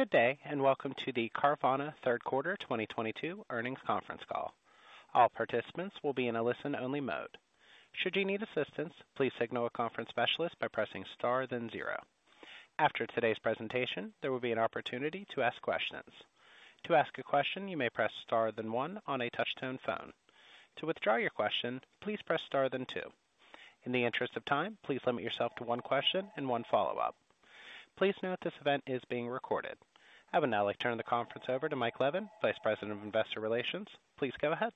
Good day, and welcome to the Carvana Third Quarter 2022 Earnings Conference Call. All participants will be in a listen-only mode. Should you need assistance, please signal a conference specialist by pressing star, then zero. After today's presentation, there will be an opportunity to ask questions. To ask a question, you may press star then one on a touch-tone phone. To withdraw your question, please press star then two. In the interest of time, please limit yourself to one question and one follow-up. Please note this event is being recorded. I would now like to turn the conference over to Mike Levin, Vice President of Investor Relations. Please go ahead.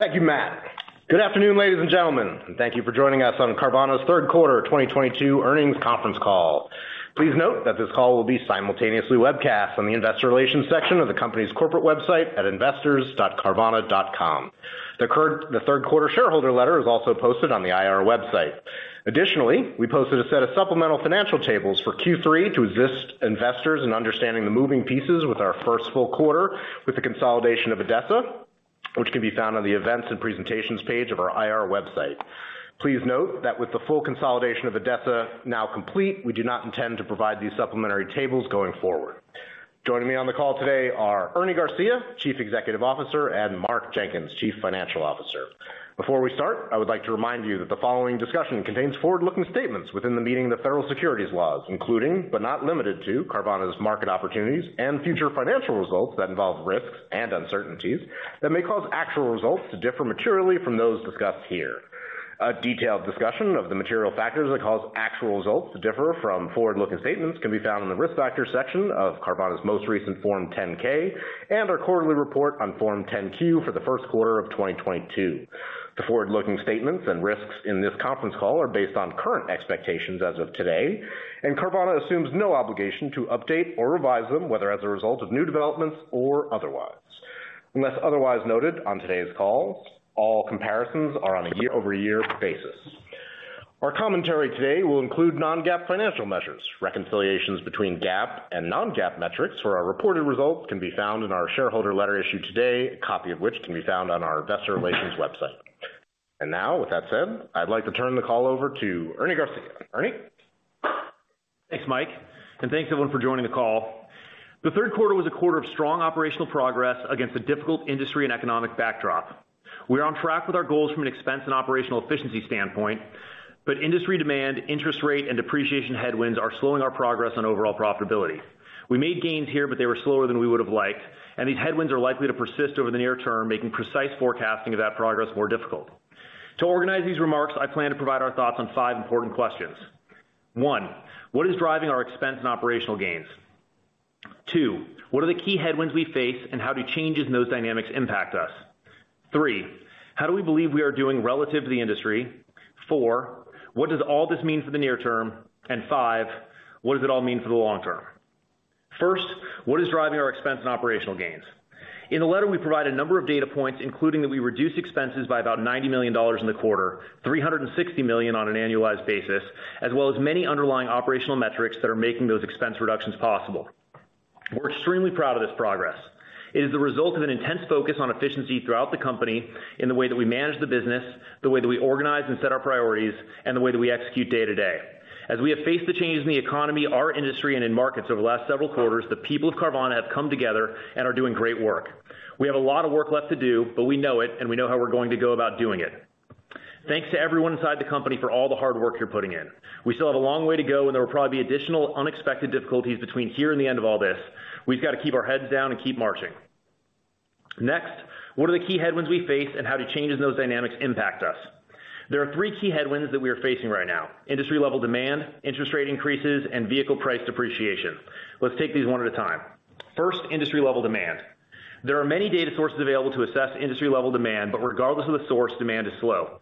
Thank you, Matt. Good afternoon, ladies and gentlemen, and thank you for joining us on Carvana's third quarter 2022 earnings conference call. Please note that this call will be simultaneously webcast on the investor relations section of the company's corporate website at investors.carvana.com. The third quarter shareholder letter is also posted on the IR website. Additionally, we posted a set of supplemental financial tables for Q3 to assist investors in understanding the moving pieces with our first full quarter with the consolidation of ADESA, which can be found on the Events and Presentations page of our IR website. Please note that with the full consolidation of ADESA now complete, we do not intend to provide these supplementary tables going forward. Joining me on the call today are Ernie Garcia, Chief Executive Officer, and Mark Jenkins, Chief Financial Officer. Before we start, I would like to remind you that the following discussion contains forward-looking statements within the meaning of the federal securities laws, including, but not limited to Carvana's market opportunities and future financial results that involve risks and uncertainties that may cause actual results to differ materially from those discussed here. A detailed discussion of the material factors that cause actual results to differ from forward-looking statements can be found in the Risk Factors section of Carvana's most recent Form 10-K and our quarterly report on Form 10-Q for the first quarter of 2022. The forward-looking statements and risks in this conference call are based on current expectations as of today, and Carvana assumes no obligation to update or revise them, whether as a result of new developments or otherwise. Unless otherwise noted on today's call, all comparisons are on a year-over-year basis. Our commentary today will include non-GAAP financial measures. Reconciliations between GAAP and non-GAAP metrics for our reported results can be found in our shareholder letter issued today, a copy of which can be found on our investor relations website. Now, with that said, I'd like to turn the call over to Ernie Garcia. Ernie? Thanks, Mike, and thanks, everyone, for joining the call. The third quarter was a quarter of strong operational progress against a difficult industry and economic backdrop. We're on track with our goals from an expense and operational efficiency standpoint, but industry demand, interest rate, and depreciation headwinds are slowing our progress on overall profitability. We made gains here, but they were slower than we would have liked, and these headwinds are likely to persist over the near term, making precise forecasting of that progress more difficult. To organize these remarks, I plan to provide our thoughts on five important questions. One, what is driving our expense and operational gains? Two, what are the key headwinds we face and how do changes in those dynamics impact us? Three, how do we believe we are doing relative to the industry? Four, what does all this mean for the near term? Five, what does it all mean for the long term? First, what is driving our expense and operational gains? In the letter, we provide a number of data points, including that we reduce expenses by about $90 million in the quarter, $360 million on an annualized basis, as well as many underlying operational metrics that are making those expense reductions possible. We're extremely proud of this progress. It is the result of an intense focus on efficiency throughout the company in the way that we manage the business, the way that we organize and set our priorities, and the way that we execute day-to-day. As we have faced the changes in the economy, our industry, and in markets over the last several quarters, the people of Carvana have come together and are doing great work. We have a lot of work left to do, but we know it, and we know how we're going to go about doing it. Thanks to everyone inside the company for all the hard work you're putting in. We still have a long way to go, and there will probably be additional unexpected difficulties between here and the end of all this. We've got to keep our heads down and keep marching. Next, what are the key headwinds we face and how do changes in those dynamics impact us? There are three key headwinds that we are facing right now: industry-level demand, interest rate increases, and vehicle price depreciation. Let's take these one at a time. First, industry-level demand. There are many data sources available to assess industry-level demand, but regardless of the source, demand is slow.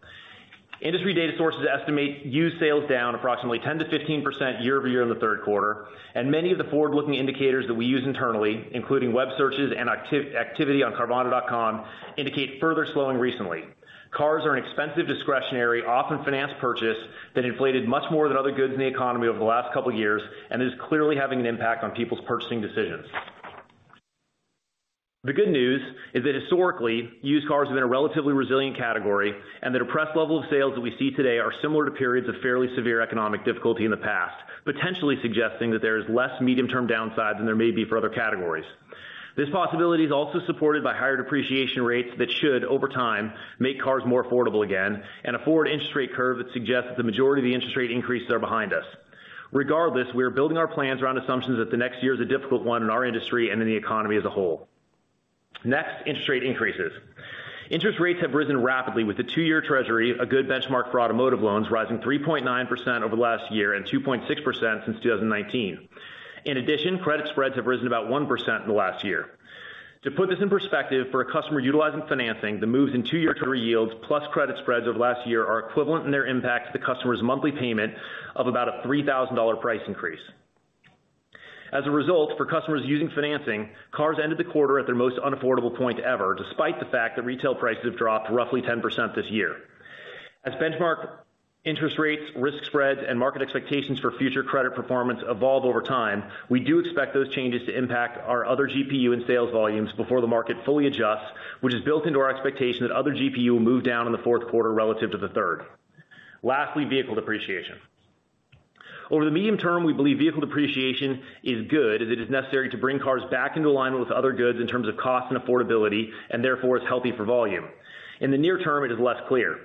Industry data sources estimate used sales down approximately 10%-15% year-over-year in the third quarter, and many of the forward-looking indicators that we use internally, including web searches and activity on carvana.com, indicate further slowing recently. Cars are an expensive discretionary, often financed purchase that inflated much more than other goods in the economy over the last couple years and is clearly having an impact on people's purchasing decisions. The good news is that historically, used cars have been a relatively resilient category, and the depressed level of sales that we see today are similar to periods of fairly severe economic difficulty in the past, potentially suggesting that there is less medium-term downside than there may be for other categories. This possibility is also supported by higher depreciation rates that should, over time, make cars more affordable again and a forward interest rate curve that suggests that the majority of the interest rate increases are behind us. Regardless, we are building our plans around assumptions that the next year is a difficult one in our industry and in the economy as a whole. Next, interest rate increases. Interest rates have risen rapidly with the two-year Treasury, a good benchmark for automotive loans, rising 3.9% over the last year and 2.6% since 2019. In addition, credit spreads have risen about 1% in the last year. To put this in perspective, for a customer utilizing financing, the moves in two-year Treasury yields plus credit spreads over the last year are equivalent in their impact to the customer's monthly payment of about a $3,000 price increase. As a result, for customers using financing, cars ended the quarter at their most unaffordable point ever, despite the fact that retail prices have dropped roughly 10% this year. As benchmark interest rates, risk spreads, and market expectations for future credit performance evolve over time, we do expect those changes to impact our other GPU and sales volumes before the market fully adjusts, which is built into our expectation that other GPU will move down in the fourth quarter relative to the third. Lastly, vehicle depreciation. Over the medium term, we believe vehicle depreciation is good as it is necessary to bring cars back into alignment with other goods in terms of cost and affordability and therefore is healthy for volume. In the near term, it is less clear.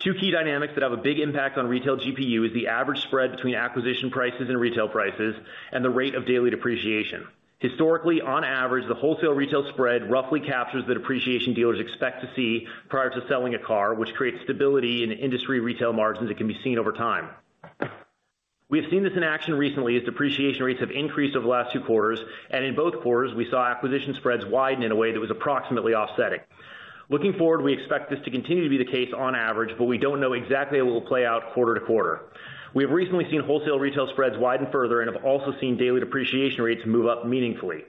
Two key dynamics that have a big impact on retail GPU is the average spread between acquisition prices and retail prices and the rate of daily depreciation. Historically, on average, the wholesale retail spread roughly captures the depreciation dealers expect to see prior to selling a car, which creates stability in industry retail margins that can be seen over time. We have seen this in action recently as depreciation rates have increased over the last two quarters, and in both quarters, we saw acquisition spreads widen in a way that was approximately offsetting. Looking forward, we expect this to continue to be the case on average, but we don't know exactly what will play out quarter to quarter. We have recently seen wholesale retail spreads widen further and have also seen daily depreciation rates move up meaningfully.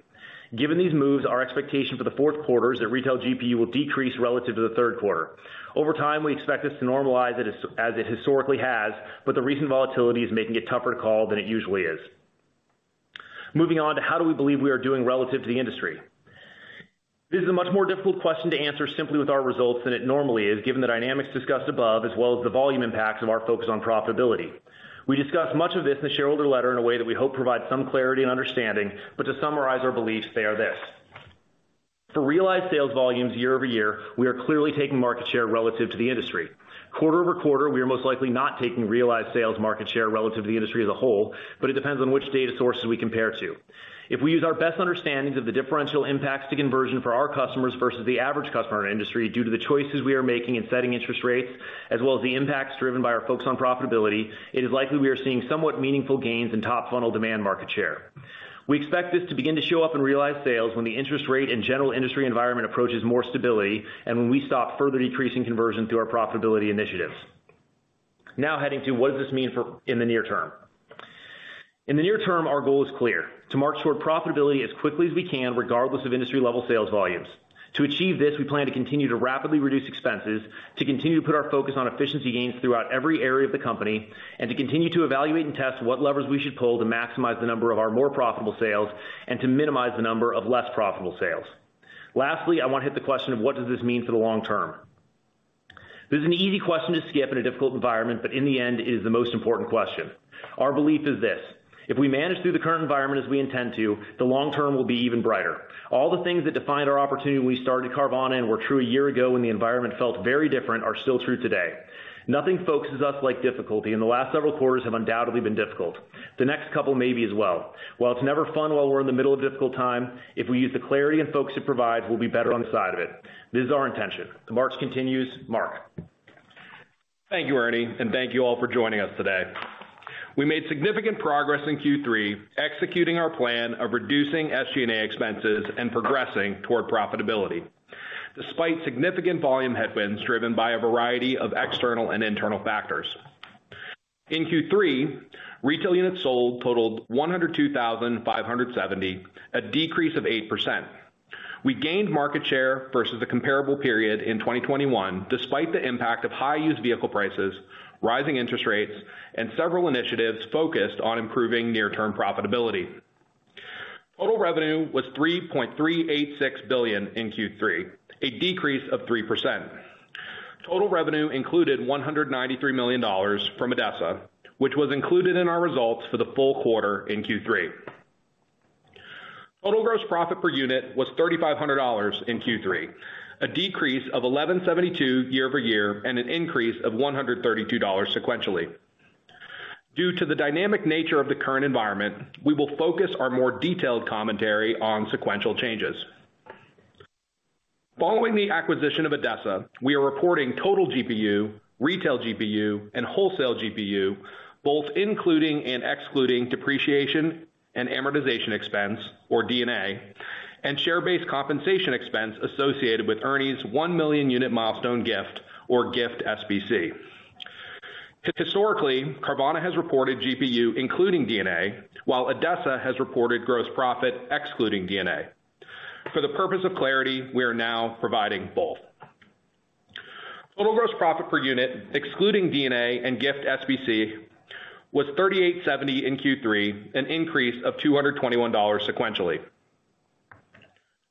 Given these moves, our expectation for the fourth quarter is that retail GPU will decrease relative to the third quarter. Over time, we expect this to normalize as it historically has, but the recent volatility is making a tougher call than it usually is. Moving on to how do we believe we are doing relative to the industry? This is a much more difficult question to answer simply with our results than it normally is, given the dynamics discussed above, as well as the volume impacts of our focus on profitability. We discussed much of this in the shareholder letter in a way that we hope provide some clarity and understanding, but to summarize our beliefs, they are this. For realized sales volumes year-over-year, we are clearly taking market share relative to the industry. Quarter-over-quarter, we are most likely not taking realized sales market share relative to the industry as a whole, but it depends on which data sources we compare to. If we use our best understandings of the differential impacts to conversion for our customers versus the average customer in our industry due to the choices we are making in setting interest rates, as well as the impacts driven by our focus on profitability, it is likely we are seeing somewhat meaningful gains in top funnel demand market share. We expect this to begin to show up in realized sales when the interest rate and general industry environment approaches more stability and when we stop further decreasing conversion through our profitability initiatives. Now, heading to what does this mean for the near term. In the near term, our goal is clear, to march toward profitability as quickly as we can, regardless of industry-level sales volumes. To achieve this, we plan to continue to rapidly reduce expenses, to continue to put our focus on efficiency gains throughout every area of the company, and to continue to evaluate and test what levers we should pull to maximize the number of our more profitable sales and to minimize the number of less profitable sales. Lastly, I want to hit the question of what does this mean for the long term. This is an easy question to skip in a difficult environment, but in the end, it is the most important question. Our belief is this: if we manage through the current environment as we intend to, the long term will be even brighter. All the things that defined our opportunity when we started Carvana and were true a year ago when the environment felt very different are still true today. Nothing focuses us like difficulty, and the last several quarters have undoubtedly been difficult. The next couple may be as well. While it's never fun while we're in the middle of a difficult time, if we use the clarity and focus it provides, we'll be better on the side of it. This is our intention. The march continues. Mark. Thank you, Ernie, and thank you all for joining us today. We made significant progress in Q3 executing our plan of reducing SG&A expenses and progressing toward profitability despite significant volume headwinds driven by a variety of external and internal factors. In Q3, retail units sold totaled 102,570, a decrease of 8%. We gained market share versus the comparable period in 2021, despite the impact of high used vehicle prices, rising interest rates, and several initiatives focused on improving near-term profitability. Total revenue was $3.386 billion in Q3, a decrease of 3%. Total revenue included $193 million from ADESA, which was included in our results for the full quarter in Q3. Total gross profit per unit was $3,500 in Q3, a decrease of $1,172 year-over-year and an increase of $132 sequentially. Due to the dynamic nature of the current environment, we will focus our more detailed commentary on sequential changes. Following the acquisition of ADESA, we are reporting total GPU, retail GPU, and wholesale GPU, both including and excluding depreciation and amortization expense, or D&A, and share-based compensation expense associated with Ernie's 1 million unit milestone gift, or gift SBC. Historically, Carvana has reported GPU, including D&A, while ADESA has reported gross profit excluding D&A. For the purpose of clarity, we are now providing both. Total gross profit per unit, excluding D&A and gift SBC, was $3,870 in Q3, an increase of $221 sequentially.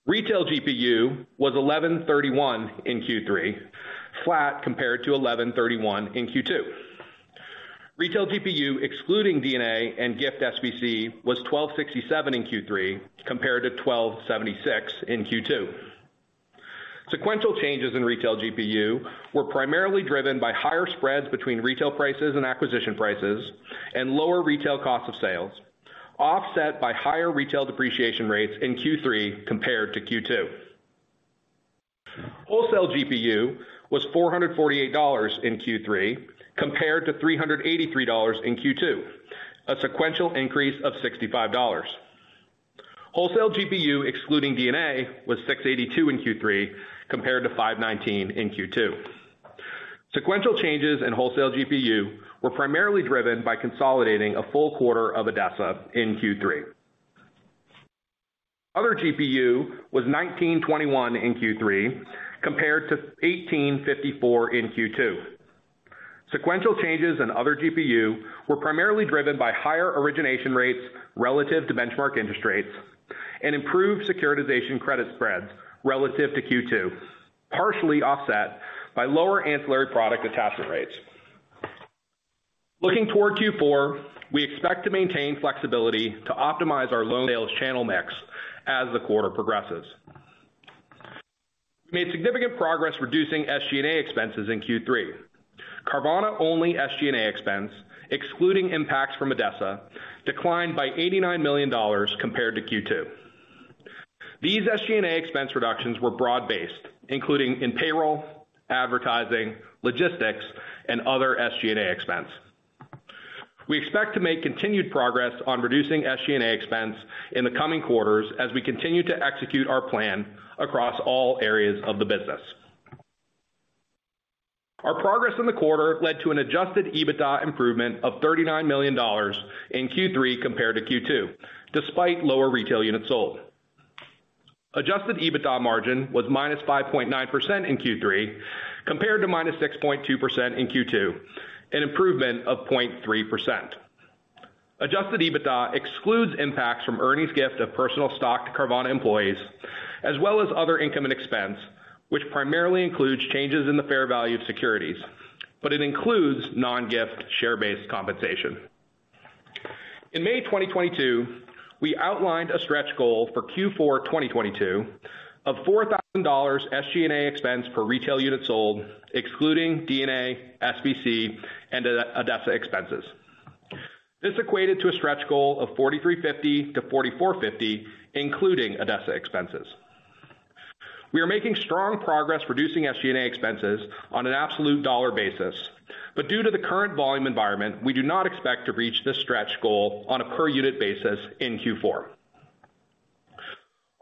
Retail GPU was $1,131 in Q3, flat compared to $1,131 in Q2. Retail GPU, excluding D&A and gift SBC, was $1,267 in Q3 compared to $1,276 in Q2. Sequential changes in retail GPU were primarily driven by higher spreads between retail prices and acquisition prices and lower retail cost of sales, offset by higher retail depreciation rates in Q3 compared to Q2. Wholesale GPU was $448 in Q3 compared to $383 in Q2, a sequential increase of $65. Wholesale GPU, excluding D&A, was $682 in Q3 compared to $519 in Q2. Sequential changes in wholesale GPU were primarily driven by consolidating a full quarter of ADESA in Q3. Other GPU was $1,921 in Q3 compared to $1,854 in Q2. Sequential changes in other GPU were primarily driven by higher origination rates relative to benchmark interest rates. Improved securitization credit spreads relative to Q2, partially offset by lower ancillary product attachment rates. Looking toward Q4, we expect to maintain flexibility to optimize our loan sales channel mix as the quarter progresses. We made significant progress reducing SG&A expenses in Q3. Carvana-only SG&A expense, excluding impacts from ADESA, declined by $89 million compared to Q2. These SG&A expense reductions were broad-based, including in payroll, advertising, logistics, and other SG&A expense. We expect to make continued progress on reducing SG&A expense in the coming quarters as we continue to execute our plan across all areas of the business. Our progress in the quarter led to an adjusted EBITDA improvement of $39 million in Q3 compared to Q2, despite lower retail units sold. Adjusted EBITDA margin was -5.9% in Q3 compared to -6.2% in Q2, an improvement of 0.3%. Adjusted EBITDA excludes impacts from Ernie's gift of personal stock to Carvana employees, as well as other income and expense, which primarily includes changes in the fair value of securities, but it includes non-gift share-based compensation. In May 2022, we outlined a stretch goal for Q4 2022 of $4,000 SG&A expense per retail unit sold, excluding D&A, SBC, and ADESA expenses. This equated to a stretch goal of $4,350-$4,450, including ADESA expenses. We are making strong progress reducing SG&A expenses on an absolute dollar basis, but due to the current volume environment, we do not expect to reach this stretch goal on a per-unit basis in Q4.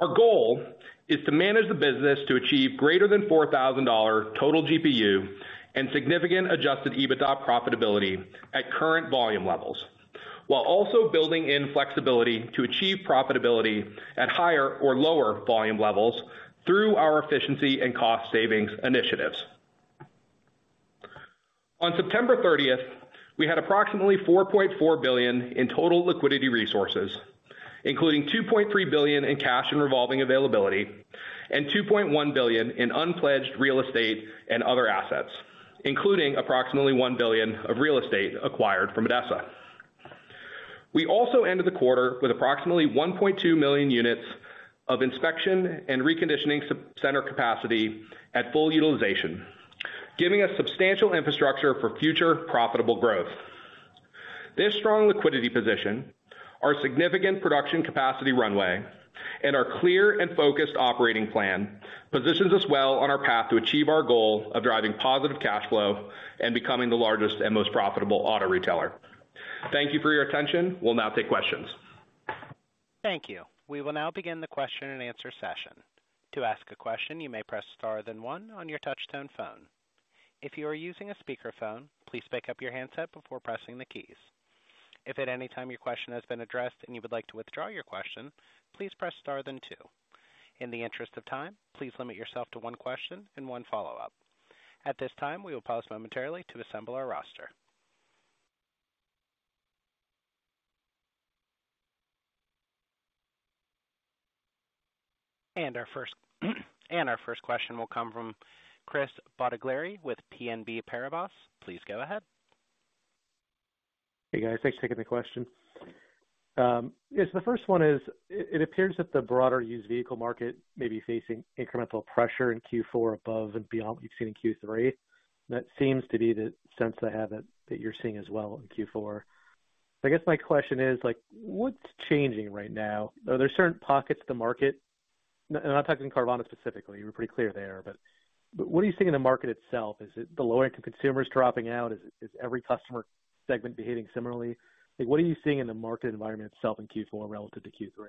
Our goal is to manage the business to achieve greater than $4,000 total GPU and significant adjusted EBITDA profitability at current volume levels, while also building in flexibility to achieve profitability at higher or lower volume levels through our efficiency and cost savings initiatives. On September thirtieth, we had approximately $4.4 billion in total liquidity resources, including $2.3 billion in cash and revolving availability and $2.1 billion in unpledged real estate and other assets, including approximately $1 billion of real estate acquired from ADESA. We also ended the quarter with approximately 1.2 million units of inspection and reconditioning sub-center capacity at full utilization, giving us substantial infrastructure for future profitable growth. This strong liquidity position, our significant production capacity runway, and our clear and focused operating plan positions us well on our path to achieve our goal of driving positive cash flow and becoming the largest and most profitable auto retailer. Thank you for your attention. We'll now take questions. Thank you. We will now begin the question-and-answer session. To ask a question, you may press star then one on your touchtone phone. If you are using a speakerphone, please pick up your handset before pressing the keys. If at any time your question has been addressed and you would like to withdraw your question, please press star then two. In the interest of time, please limit yourself to one question and one follow-up. At this time, we will pause momentarily to assemble our roster. Our first question will come from Chris Bottiglieri with BNP Paribas. Please go ahead. Hey, guys. Thanks for taking the question. Yes, the first one is, it appears that the broader used vehicle market may be facing incremental pressure in Q4 above and beyond what you've seen in Q3. That seems to be the sense I have that you're seeing as well in Q4. I guess my question is, like, what's changing right now? Are there certain pockets of the market? I'm talking Carvana specifically, we're pretty clear there, but what are you seeing in the market itself? Is it the lower income consumers dropping out? Is every customer segment behaving similarly? Like, what are you seeing in the market environment itself in Q4 relative to Q3?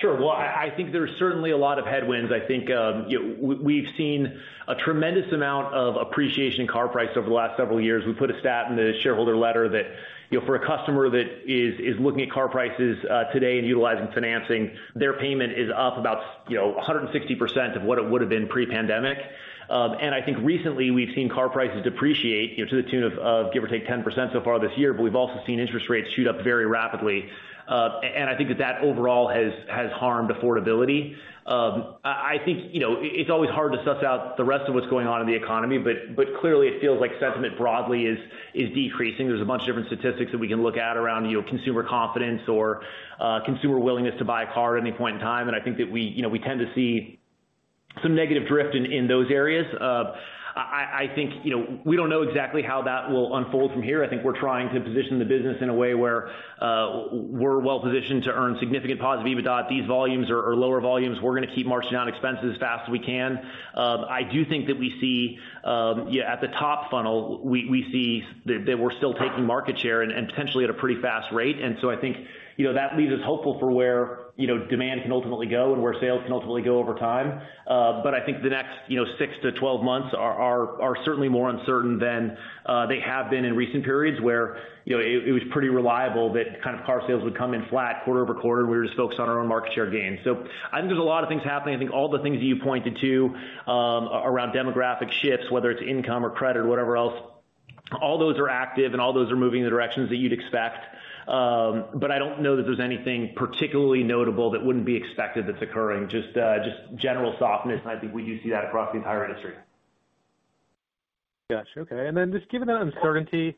Sure. Well, I think there's certainly a lot of headwinds. I think, you know, we've seen a tremendous amount of appreciation in car price over the last several years. We put a stat in the shareholder letter that, you know, for a customer that is looking at car prices today and utilizing financing, their payment is up about, you know, 160% of what it would have been pre-pandemic. I think recently we've seen car prices depreciate, you know, to the tune of give or take 10% so far this year, but we've also seen interest rates shoot up very rapidly. I think that overall has harmed affordability. I think, you know, it's always hard to suss out the rest of what's going on in the economy, but clearly it feels like sentiment broadly is decreasing. There's a bunch of different statistics that we can look at around, you know, consumer confidence or consumer willingness to buy a car at any point in time. I think that we, you know, we tend to see some negative drift in those areas. I think, you know, we don't know exactly how that will unfold from here. I think we're trying to position the business in a way where we're well-positioned to earn significant positive EBITDA at these volumes or lower volumes. We're gonna keep marching down expenses as fast as we can. I do think that we see at the top funnel, we see that we're still taking market share and potentially at a pretty fast rate. I think, you know, that leaves us hopeful for where, you know, demand can ultimately go and where sales can ultimately go over time. I think the next, you know, 6 months-12 months are certainly more uncertain than they have been in recent periods, where it was pretty reliable that kind of car sales would come in flat quarter-over-quarter. We were just focused on our own market share gains. I think there's a lot of things happening. I think all the things you pointed to, around demographic shifts, whether it's income or credit or whatever else. All those are active and all those are moving in the directions that you'd expect. I don't know that there's anything particularly notable that wouldn't be expected that's occurring. Just general softness, and I think we do see that across the entire industry. Got you. Okay. Just given that uncertainty,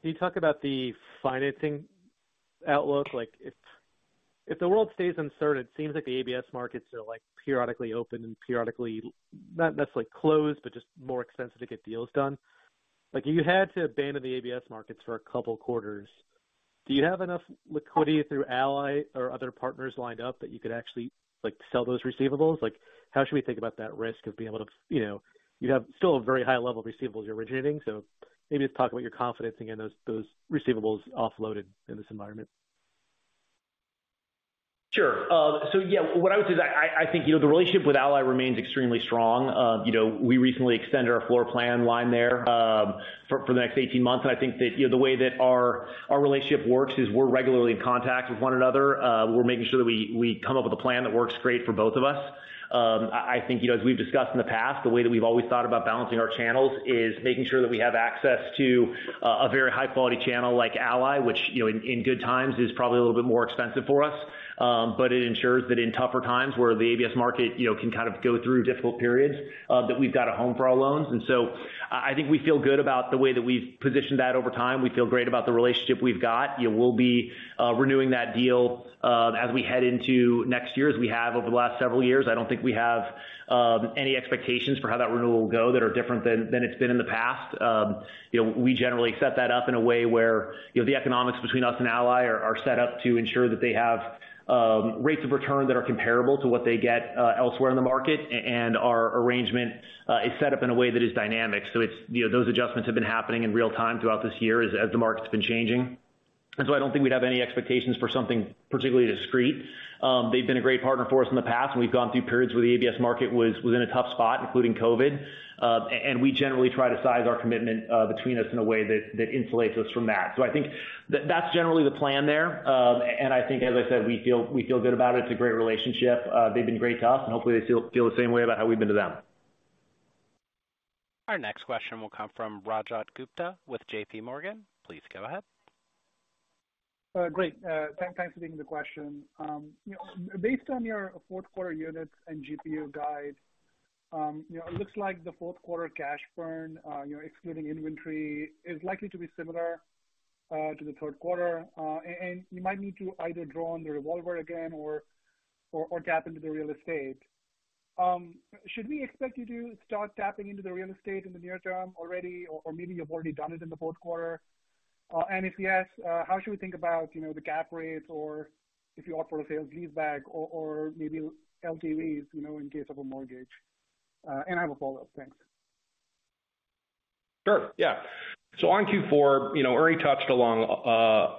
can you talk about the financing outlook? Like if the world stays uncertain, it seems like the ABS markets are like periodically open and periodically not necessarily closed, but just more expensive to get deals done. Like, if you had to abandon the ABS markets for a couple quarters, do you have enough liquidity through Ally or other partners lined up that you could actually, like, sell those receivables? Like, how should we think about that risk of being able to, you know, you have still a very high level of receivables you're originating. Maybe just talk about your confidence in getting those receivables offloaded in this environment. Sure. Yeah, what I would say is I think you know the relationship with Ally remains extremely strong. You know, we recently extended our floor plan line there for the next 18 months. I think that you know the way that our relationship works is we're regularly in contact with one another. We're making sure that we come up with a plan that works great for both of us. I think you know as we've discussed in the past the way that we've always thought about balancing our channels is making sure that we have access to a very high-quality channel like Ally, which you know in good times is probably a little bit more expensive for us. It ensures that in tougher times where the ABS market, you know, can kind of go through difficult periods, that we've got a home for our loans. I think we feel good about the way that we've positioned that over time. We feel great about the relationship we've got. You know, we'll be renewing that deal as we head into next year, as we have over the last several years. I don't think we have any expectations for how that renewal will go that are different than it's been in the past. You know, we generally set that up in a way where, you know, the economics between us and Ally are set up to ensure that they have rates of return that are comparable to what they get elsewhere in the market. Our arrangement is set up in a way that is dynamic. It's, you know, those adjustments have been happening in real time throughout this year as the market's been changing. I don't think we'd have any expectations for something particularly discreet. They've been a great partner for us in the past, and we've gone through periods where the ABS market was in a tough spot, including COVID. We generally try to size our commitment between us in a way that insulates us from that. I think that's generally the plan there. I think, as I said, we feel good about it. It's a great relationship. They've been great to us, and hopefully they feel the same way about how we've been to them. Our next question will come from Rajat Gupta with J.P. Morgan. Please go ahead. Great. Thanks for taking the question. Based on your fourth quarter units and GPU guide, you know, it looks like the fourth quarter cash burn, you know, excluding inventory, is likely to be similar to the third quarter. You might need to either draw on the revolver again or tap into the real estate. Should we expect you to start tapping into the real estate in the near term already or maybe you've already done it in the fourth quarter? If yes, how should we think about, you know, the cap rates or if you offer a sale-leaseback or maybe LTVs, you know, in case of a mortgage? I have a follow-up. Thanks. Sure. Yeah. On Q4, you know, Ernie touched on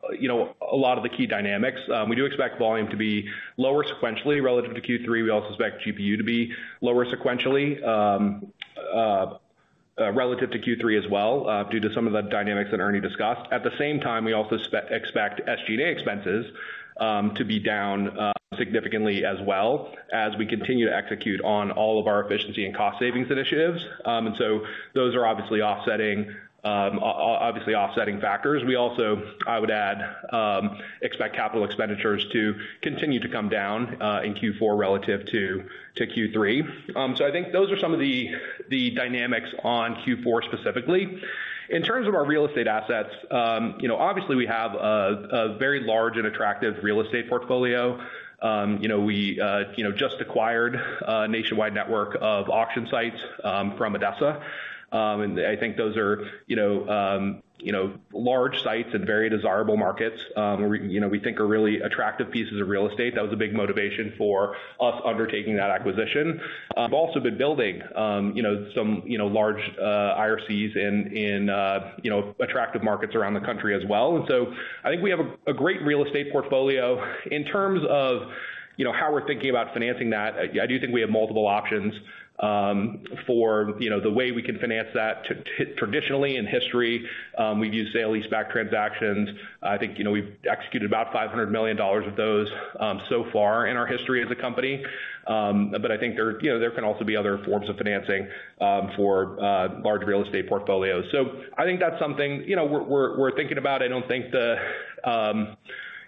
a lot of the key dynamics. We do expect volume to be lower sequentially relative to Q3. We also expect GPU to be lower sequentially relative to Q3 as well due to some of the dynamics that Ernie discussed. At the same time, we also expect SG&A expenses to be down significantly as well as we continue to execute on all of our efficiency and cost savings initiatives. Those are obviously offsetting factors. We also, I would add, expect capital expenditures to continue to come down in Q4 relative to Q3. I think those are some of the dynamics on Q4 specifically. In terms of our real estate assets, you know, obviously we have a very large and attractive real estate portfolio. You know, we you know just acquired a nationwide network of auction sites from ADESA. I think those are you know large sites in very desirable markets, you know, we think are really attractive pieces of real estate. That was a big motivation for us undertaking that acquisition. We've also been building you know some you know large IRCs in you know attractive markets around the country as well. I think we have a great real estate portfolio. In terms of you know how we're thinking about financing that, I do think we have multiple options for you know the way we can finance that. Traditionally in history, we've used sale leaseback transactions. I think, you know, we've executed about $500 million of those so far in our history as a company. I think there, you know, there can also be other forms of financing for large real estate portfolios. I think that's something, you know, we're thinking about.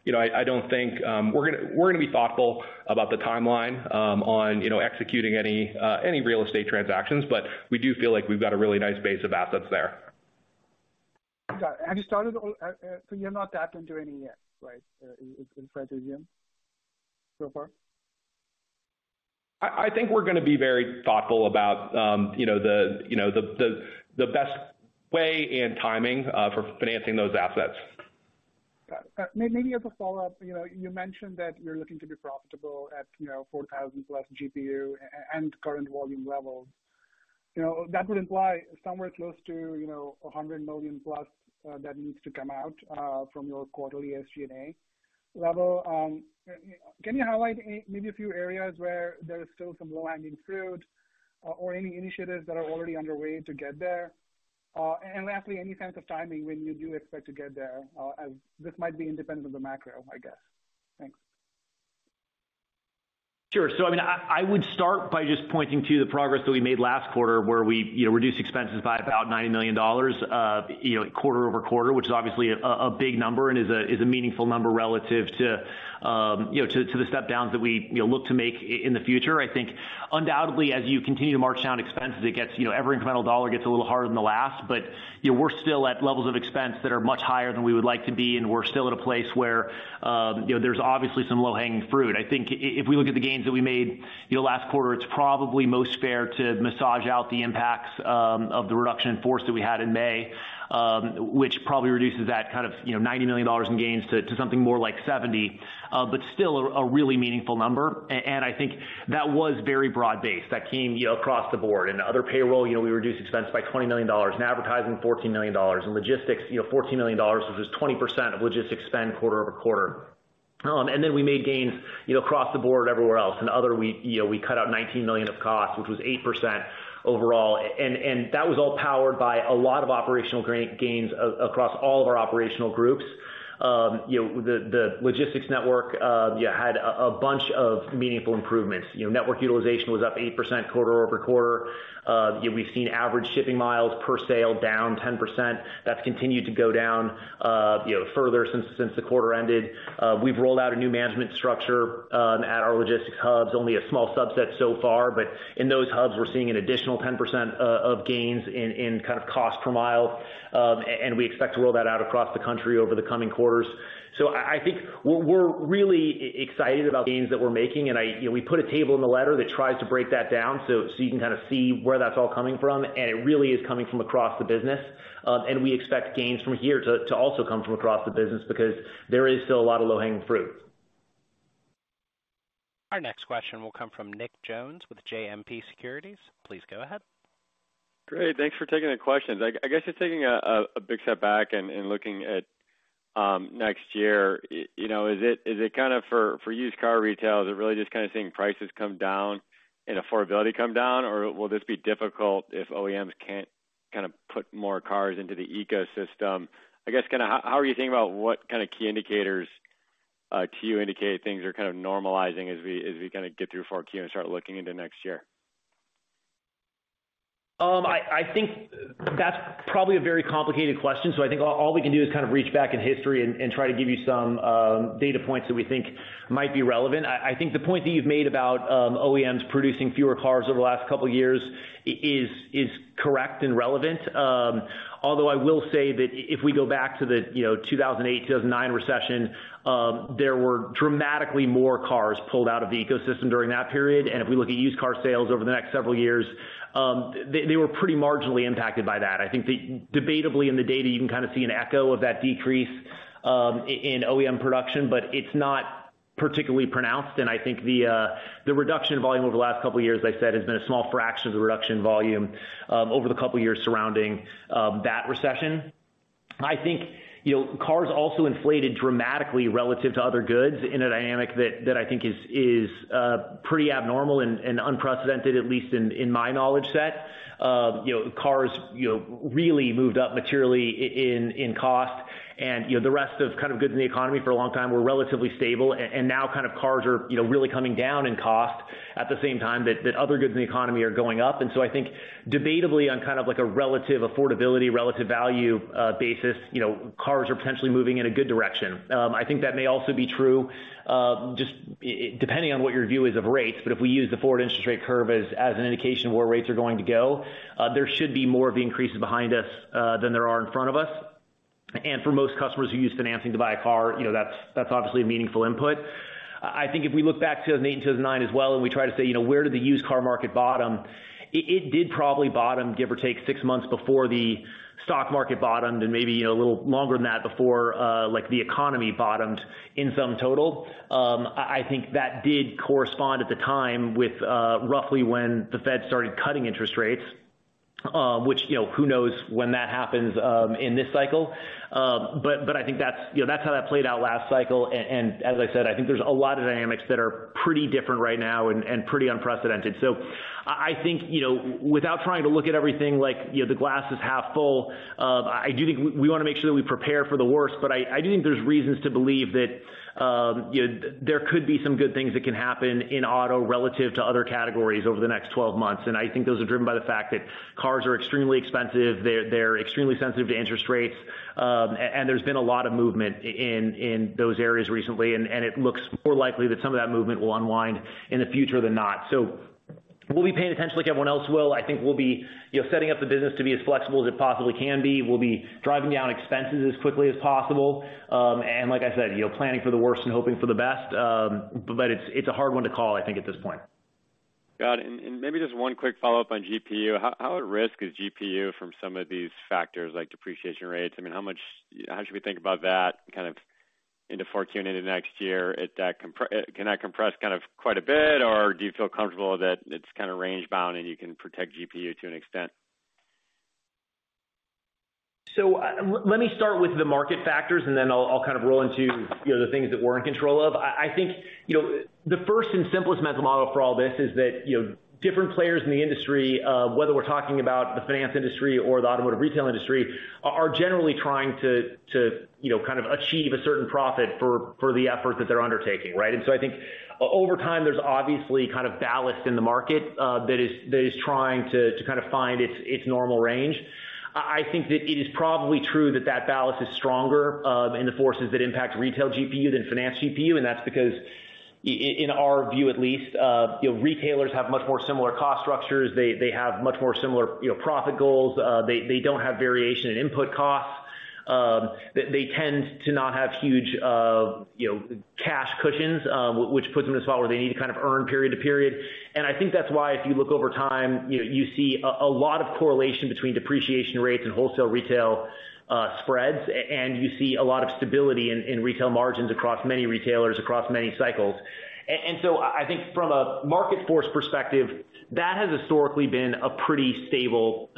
We're gonna be thoughtful about the timeline on, you know, executing any real estate transactions, but we do feel like we've got a really nice base of assets there. Got it. You're not tapping into any yet, right? In fact, as of yet so far? I think we're gonna be very thoughtful about, you know, the best way and timing for financing those assets. Got it. Maybe as a follow-up, you know, you mentioned that you're looking to be profitable at, you know, 4,000+ GPU and current volume levels. You know, that would imply somewhere close to, you know, $100 million+ that needs to come out from your quarterly SG&A level. Can you highlight maybe a few areas where there is still some low-hanging fruit or any initiatives that are already underway to get there? Lastly, any sense of timing when you do expect to get there? This might be independent of the macro, I guess. Thanks. Sure. I mean, I would start by just pointing to the progress that we made last quarter where we, you know, reduced expenses by about $90 million, you know, quarter-over-quarter, which is obviously a big number and is a meaningful number relative to, you know, to the step downs that we, you know, look to make in the future. I think undoubtedly as you continue to march down expenses, it gets, you know, every incremental dollar gets a little harder than the last. You know, we're still at levels of expense that are much higher than we would like to be, and we're still at a place where, you know, there's obviously some low-hanging fruit. I think if we look at the gains that we made, you know, last quarter, it's probably most fair to massage out the impacts of the reduction in force that we had in May, which probably reduces that kind of, you know, $90 million in gains to something more like $70, but still a really meaningful number. And I think that was very broad-based. That came, you know, across the board. In other payroll, you know, we reduced expense by $20 million. In advertising, $14 million. In logistics, you know, $14 million, which is 20% of logistics spend quarter-over-quarter. And then we made gains, you know, across the board everywhere else. In other, we cut out $19 million of costs, which was 8% overall. That was all powered by a lot of operational gains across all of our operational groups. You know, the logistics network had a bunch of meaningful improvements. You know, network utilization was up 8% quarter-over-quarter. You know, we've seen average shipping miles per sale down 10%. That's continued to go down, you know, further since the quarter ended. We've rolled out a new management structure at our logistics hubs, only a small subset so far, but in those hubs, we're seeing an additional 10% of gains in kind of cost per mile. We expect to roll that out across the country over the coming quarters. I think we're really excited about gains that we're making. You know, we put a table in the letter that tries to break that down so you can kind of see where that's all coming from, and it really is coming from across the business. We expect gains from here to also come from across the business because there is still a lot of low-hanging fruit. Our next question will come from Nick Jones with JMP Securities. Please go ahead. Great. Thanks for taking the questions. I guess just taking a big step back and looking at next year, you know, is it kinda for used car retail, is it really just kinda seeing prices come down and affordability come down? Or will this be difficult if OEMs can't kinda put more cars into the ecosystem? I guess kinda how are you thinking about what kind of key indicators to you indicate things are kind of normalizing as we kinda get through Q4 and start looking into next year? I think that's probably a very complicated question, so I think all we can do is kind of reach back in history and try to give you some data points that we think might be relevant. I think the point that you've made about OEMs producing fewer cars over the last couple years is correct and relevant. Although I will say that if we go back to the, you know, 2008, 2009 recession, there were dramatically more cars pulled out of the ecosystem during that period. If we look at used car sales over the next several years, they were pretty marginally impacted by that. I think debatably in the data, you can kind of see an echo of that decrease in OEM production, but it's not particularly pronounced. I think the reduction volume over the last couple of years, as I said, has been a small fraction of the reduction volume over the couple years surrounding that recession. I think, you know, cars also inflated dramatically relative to other goods in a dynamic that I think is pretty abnormal and unprecedented, at least in my knowledge set. You know, cars, you know, really moved up materially in cost and, you know, the rest of kind of goods in the economy for a long time were relatively stable and now kind of cars are, you know, really coming down in cost at the same time that other goods in the economy are going up. I think debatably on kind of like a relative affordability, relative value basis, you know, cars are potentially moving in a good direction. I think that may also be true, just it depending on what your view is of rates, but if we use the forward interest rate curve as an indication of where rates are going to go, there should be more of the increases behind us than there are in front of us. For most customers who use financing to buy a car, you know, that's obviously a meaningful input. I think if we look back 2008 and 2009 as well, and we try to say, you know, where did the used car market bottom? It did probably bottom, give or take six months before the stock market bottomed and maybe, you know, a little longer than that before the economy bottomed in sum total. I think that did correspond at the time with roughly when the Fed started cutting interest rates, which, you know, who knows when that happens in this cycle. I think that's how that played out last cycle. As I said, I think there's a lot of dynamics that are pretty different right now and pretty unprecedented. I think, you know, without trying to look at everything like, you know, the glass is half full, I do think we wanna make sure that we prepare for the worst. I do think there's reasons to believe that, you know, there could be some good things that can happen in auto relative to other categories over the next 12 months. I think those are driven by the fact that cars are extremely expensive, they're extremely sensitive to interest rates, and there's been a lot of movement in those areas recently, and it looks more likely that some of that movement will unwind in the future than not. We'll be paying attention like everyone else will. I think we'll be, you know, setting up the business to be as flexible as it possibly can be. We'll be driving down expenses as quickly as possible. Like I said, you know, planning for the worst and hoping for the best. It's a hard one to call, I think at this point. Got it. Maybe just one quick follow-up on GPU. How at risk is GPU from some of these factors like depreciation rates? I mean, how should we think about that kind of into Q4 and into next year? Can that compress kind of quite a bit? Or do you feel comfortable that it's kind of range bound and you can protect GPU to an extent? Let me start with the market factors, and then I'll kind of roll into, you know, the things that we're in control of. I think, you know, the first and simplest mental model for all this is that, you know, different players in the industry, whether we're talking about the finance industry or the automotive retail industry, are generally trying to, you know, kind of achieve a certain profit for the effort that they're undertaking, right? I think over time, there's obviously kind of ballast in the market, that is trying to kind of find its normal range. I think that it is probably true that ballast is stronger in the forces that impact retail GPU than finance GPU, and that's because in our view, at least, you know, retailers have much more similar cost structures. They have much more similar, you know, profit goals. They don't have variation in input costs. They tend to not have huge, you know, cash cushions, which puts them in a spot where they need to kind of earn period to period. I think that's why if you look over time, you know, you see a lot of correlation between depreciation rates and wholesale retail spreads, and you see a lot of stability in retail margins across many retailers, across many cycles. I think from a market force perspective, that has historically been a pretty stable,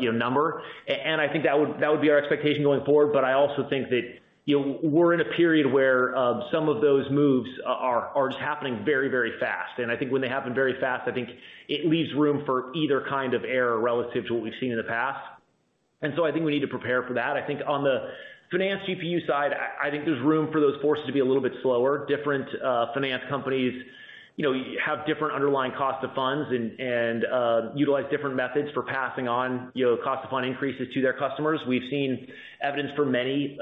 you know, number. I think that would be our expectation going forward. I also think that, you know, we're in a period where some of those moves are just happening very fast. I think when they happen very fast, I think it leaves room for either kind of error relative to what we've seen in the past. I think we need to prepare for that. I think on the finance GPU side, I think there's room for those forces to be a little bit slower. Different finance companies, you know, have different underlying cost of funds and utilize different methods for passing on, you know, cost of fund increases to their customers. We've seen evidence for many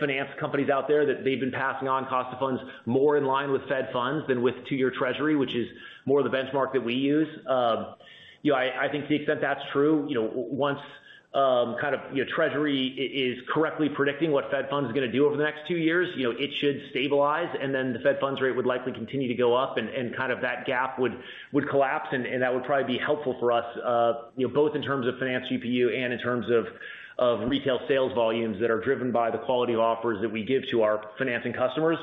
finance companies out there that they've been passing on cost of funds more in line with Fed funds than with two-year Treasury, which is more the benchmark that we use. You know, I think to the extent that's true, you know, once kind of, you know, Treasury is correctly predicting what Fed funds are gonna do over the next two years, you know, it should stabilize, and then the Fed funds rate would likely continue to go up, and kind of that gap would collapse and that would probably be helpful for us, you know, both in terms of finance GPU and in terms of retail sales volumes that are driven by the quality of offers that we give to our financing customers.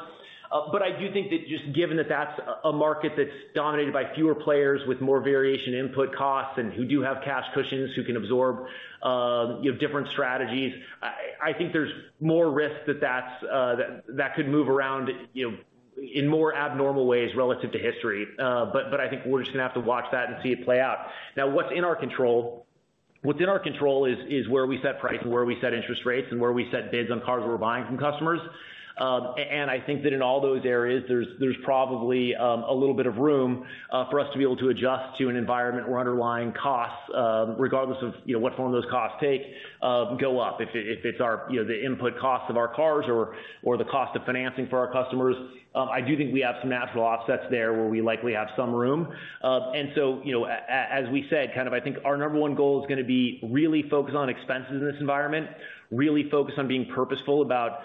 I do think that just given that that's a market that's dominated by fewer players with more variable input costs and who do have cash cushions who can absorb, you know, different strategies, I think there's more risk that that's, that could move around, you know, in more abnormal ways relative to history. I think we're just gonna have to watch that and see it play out. Now, what's in our control? What's in our control is where we set price and where we set interest rates and where we set bids on cars we're buying from customers. I think that in all those areas, there's probably a little bit of room for us to be able to adjust to an environment where underlying costs, regardless of, you know, what form those costs take, go up. If it's our, you know, the input costs of our cars or the cost of financing for our customers, I do think we have some natural offsets there where we likely have some room. You know, as we said, kind of, I think our number one goal is gonna be really focused on expenses in this environment, really focused on being purposeful about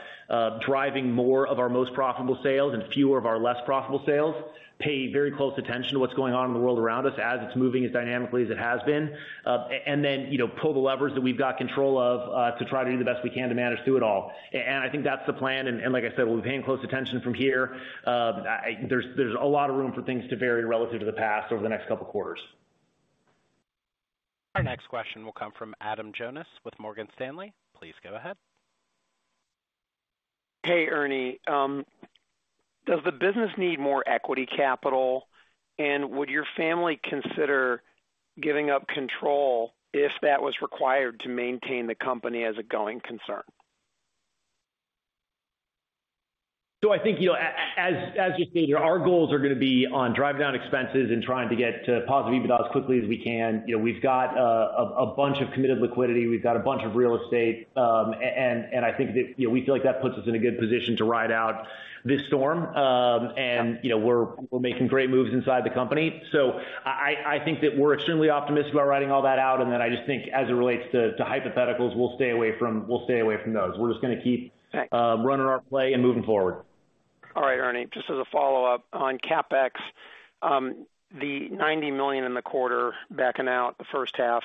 driving more of our most profitable sales and fewer of our less profitable sales, pay very close attention to what's going on in the world around us as it's moving as dynamically as it has been, and then, you know, pull the levers that we've got control of to try to do the best we can to manage through it all. I think that's the plan. Like I said, we'll be paying close attention from here. There's a lot of room for things to vary relative to the past over the next couple quarters. Our next question will come from Adam Jonas with Morgan Stanley. Please go ahead. Hey, Ernie. Does the business need more equity capital, and would your family consider giving up control if that was required to maintain the company as a going concern? I think, you know, as you've seen here, our goals are gonna be on driving down expenses and trying to get to positive EBITDA as quickly as we can. You know, we've got a bunch of committed liquidity. We've got a bunch of real estate. I think that, you know, we feel like that puts us in a good position to ride out this storm. You know, we're making great moves inside the company. I think that we're extremely optimistic about riding all that out, and then I just think as it relates to hypotheticals, we'll stay away from those. We're just gonna keep running our play and moving forward. All right, Ernie, just as a follow-up. On CapEx, the $90 million in the quarter backing out the first half,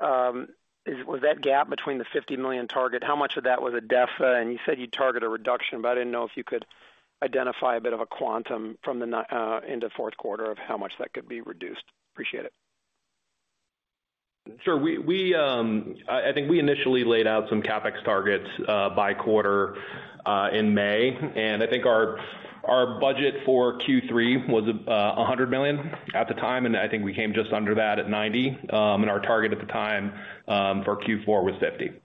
was that gap between the $50 million target, how much of that was ADESA? You said you'd target a reduction, but I didn't know if you could identify a bit of a quantum from the $90 million in the fourth quarter of how much that could be reduced? Appreciate it. Sure. I think we initially laid out some CapEx targets by quarter in May, and I think our budget for Q3 was $100 million at the time, and I think we came just under that at $90 million. Our target at the time for Q4 was $50 million.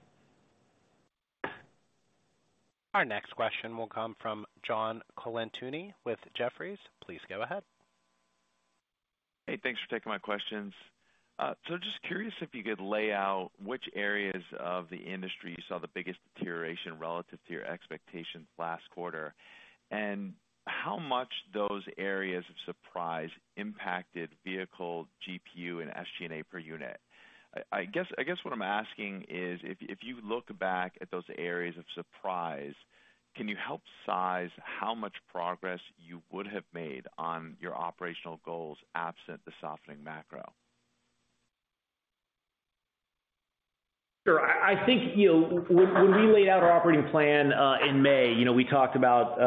Our next question will come from John Colantuoni with Jefferies. Please go ahead. Hey, thanks for taking my questions. Just curious if you could lay out which areas of the industry you saw the biggest deterioration relative to your expectations last quarter, and how much those areas of surprise impacted vehicle GPU and SG&A per unit. I guess what I'm asking is if you look back at those areas of surprise, can you help size how much progress you would have made on your operational goals absent the softening macro? Sure. I think, you know, when we laid out our operating plan in May, you know, we talked about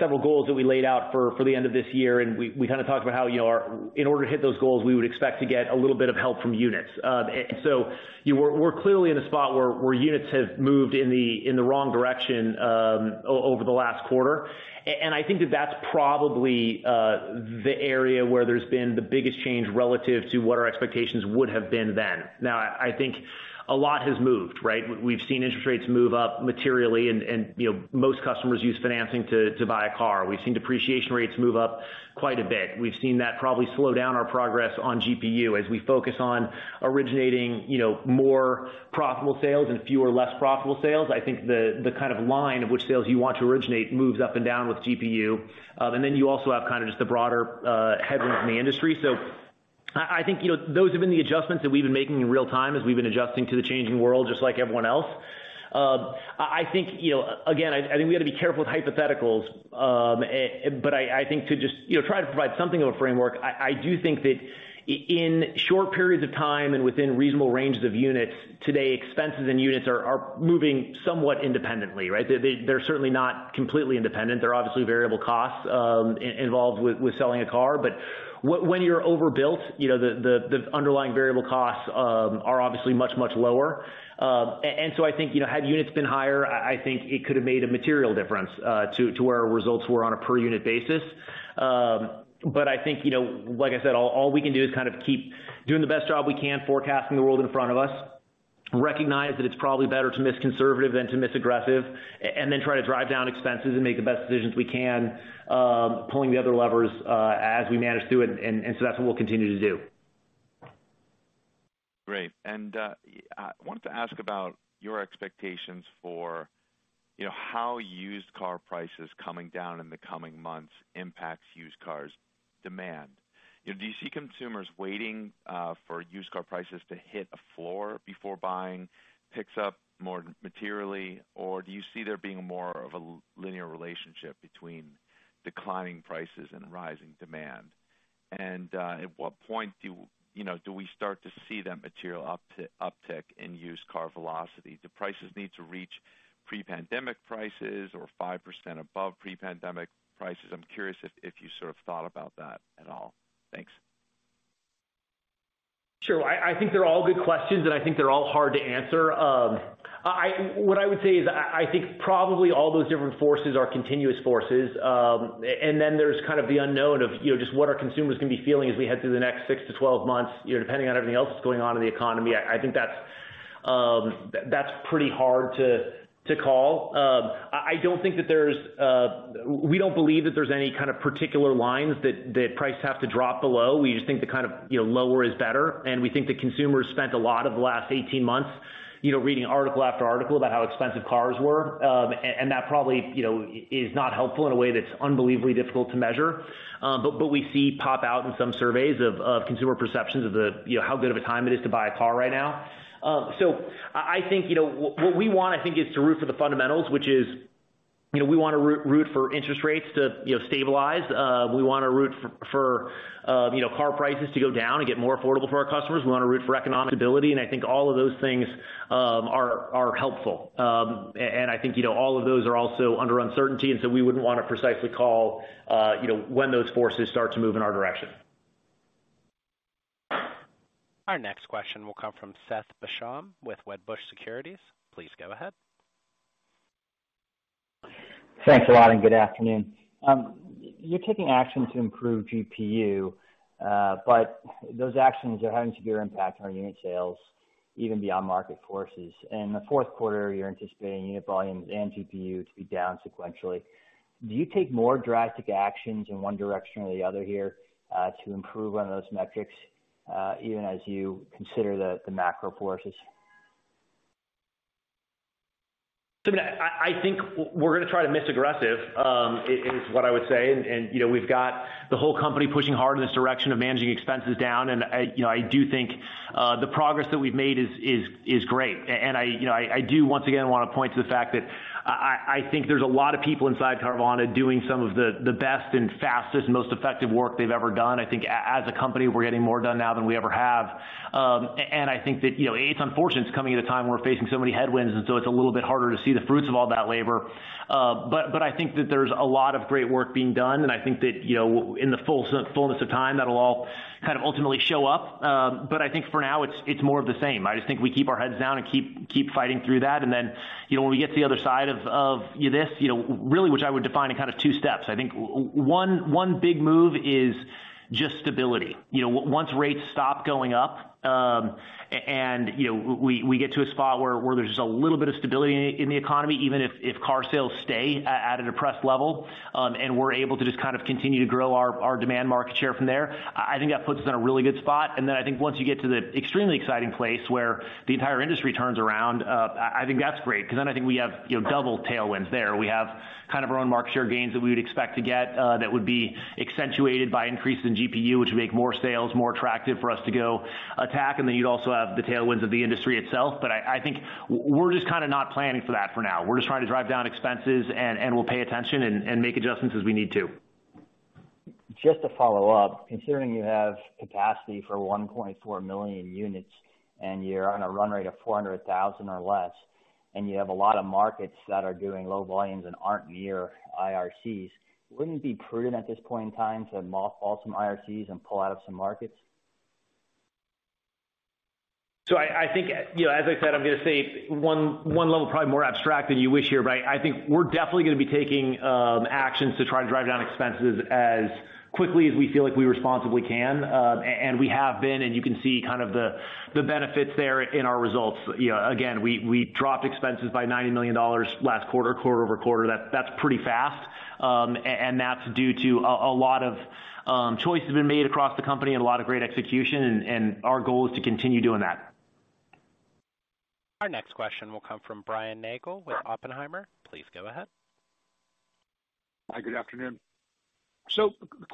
several goals that we laid out for the end of this year, and we kinda talked about how, you know, in order to hit those goals, we would expect to get a little bit of help from units. We're clearly in a spot where units have moved in the wrong direction over the last quarter. I think that's probably the area where there's been the biggest change relative to what our expectations would have been then. Now, I think a lot has moved, right? We've seen interest rates move up materially and, you know, most customers use financing to buy a car. We've seen depreciation rates move up quite a bit. We've seen that probably slow down our progress on GPU as we focus on originating, you know, more profitable sales and fewer less profitable sales. I think the kind of line of which sales you want to originate moves up and down with GPU. You also have kind of just the broader headwinds in the industry. I think, you know, those have been the adjustments that we've been making in real time as we've been adjusting to the changing world just like everyone else. I think, you know, again, I think we gotta be careful with hypotheticals, but I think to just, you know, try to provide something of a framework, I do think that in short periods of time and within reasonable ranges of units, today expenses and units are moving somewhat independently, right? They're certainly not completely independent. There are obviously variable costs involved with selling a car. But when you're overbuilt, you know, the underlying variable costs are obviously much lower. And so I think, you know, had units been higher, I think it could have made a material difference to where our results were on a per unit basis. I think, you know, like I said, all we can do is kind of keep doing the best job we can forecasting the world in front of us, recognize that it's probably better to miss conservative than to miss aggressive, and then try to drive down expenses and make the best decisions we can, pulling the other levers, as we manage through it. So that's what we'll continue to do. Great. I wanted to ask about your expectations for, you know, how used car prices coming down in the coming months impacts used car demand. Do you see consumers waiting for used car prices to hit a floor before buying picks up more materially, or do you see there being more of a linear relationship between declining prices and rising demand? At what point do we start to see that material uptick in used car velocity? Do prices need to reach pre-pandemic prices or five percent above pre-pandemic prices? I'm curious if you sort of thought about that at all. Thanks. Sure. I think they're all good questions, and I think they're all hard to answer. What I would say is I think probably all those different forces are continuous forces. Then there's kind of the unknown of, you know, just what are consumers gonna be feeling as we head through the next 6 months-12 months, you know, depending on everything else that's going on in the economy. I think that's pretty hard to call. We don't believe that there's any kind of particular lines that prices have to drop below. We just think the kind of, you know, lower is better, and we think the consumers spent a lot of the last 18 months, you know, reading article after article about how expensive cars were. That probably, you know, is not helpful in a way that's unbelievably difficult to measure. We see pop out in some surveys of consumer perceptions of the, you know, how good of a time it is to buy a car right now. I think, you know, what we want, I think, is to root for the fundamentals, which is, you know, we wanna root for interest rates to, you know, stabilize. We wanna root for, you know, car prices to go down and get more affordable for our customers. We wanna root for economic stability, and I think all of those things are helpful. I think, you know, all of those are also under uncertainty, and so we wouldn't wanna precisely call, you know, when those forces start to move in our direction. Our next question will come from Seth Basham with Wedbush Securities. Please go ahead. Thanks a lot, and good afternoon. You're taking action to improve GPU, but those actions are having a severe impact on unit sales, even beyond market forces. In the fourth quarter, you're anticipating unit volumes and GPU to be down sequentially. Do you take more drastic actions in one direction or the other here, to improve on those metrics, even as you consider the macro forces? I mean, I think we're gonna try to be more aggressive, is what I would say. You know, we've got the whole company pushing hard in this direction of managing expenses down. I, you know, do think the progress that we've made is great. I, you know, do once again wanna point to the fact that I think there's a lot of people inside Carvana doing some of the best and fastest, most effective work they've ever done. I think as a company, we're getting more done now than we ever have. I think that, you know, it's unfortunate it's coming at a time where we're facing so many headwinds, and so it's a little bit harder to see the fruits of all that labor. I think that there's a lot of great work being done, and I think that, you know, in the fullness of time, that'll all kind of ultimately show up. I think for now it's more of the same. I just think we keep our heads down and keep fighting through that. You know, when we get to the other side of this, you know, really which I would define in kind of two steps. I think one big move is just stability. You know, once rates stop going up, and you know, we get to a spot where there's just a little bit of stability in the economy, even if car sales stay at a depressed level, and we're able to just kind of continue to grow our demand market share from there, I think that puts us in a really good spot. Then I think once you get to the extremely exciting place where the entire industry turns around, I think that's great, 'cause then I think we have, you know, double tailwinds there. We have kind of our own market share gains that we would expect to get, that would be accentuated by increase in GPU, which would make more sales more attractive for us to go attack. Then you'd also have the tailwinds of the industry itself. I think we're just kinda not planning for that for now. We're just trying to drive down expenses and we'll pay attention and make adjustments as we need to. Just to follow up, considering you have capacity for 1.4 million units and you're on a run rate of 0.4 million or less, and you have a lot of markets that are doing low volumes and aren't near IRCs, wouldn't it be prudent at this point in time to mothball some IRCs and pull out of some markets? I think, you know, as I said, I'm gonna say one level probably more abstract than you wish here, but I think we're definitely gonna be taking actions to try to drive down expenses as quickly as we feel like we responsibly can. We have been, and you can see kind of the benefits there in our results. You know, again, we dropped expenses by $90 million last quarter-over-quarter. That's pretty fast. That's due to a lot of choices being made across the company and a lot of great execution and our goal is to continue doing that. Our next question will come from Brian Nagel with Oppenheimer. Please go ahead. Hi, good afternoon.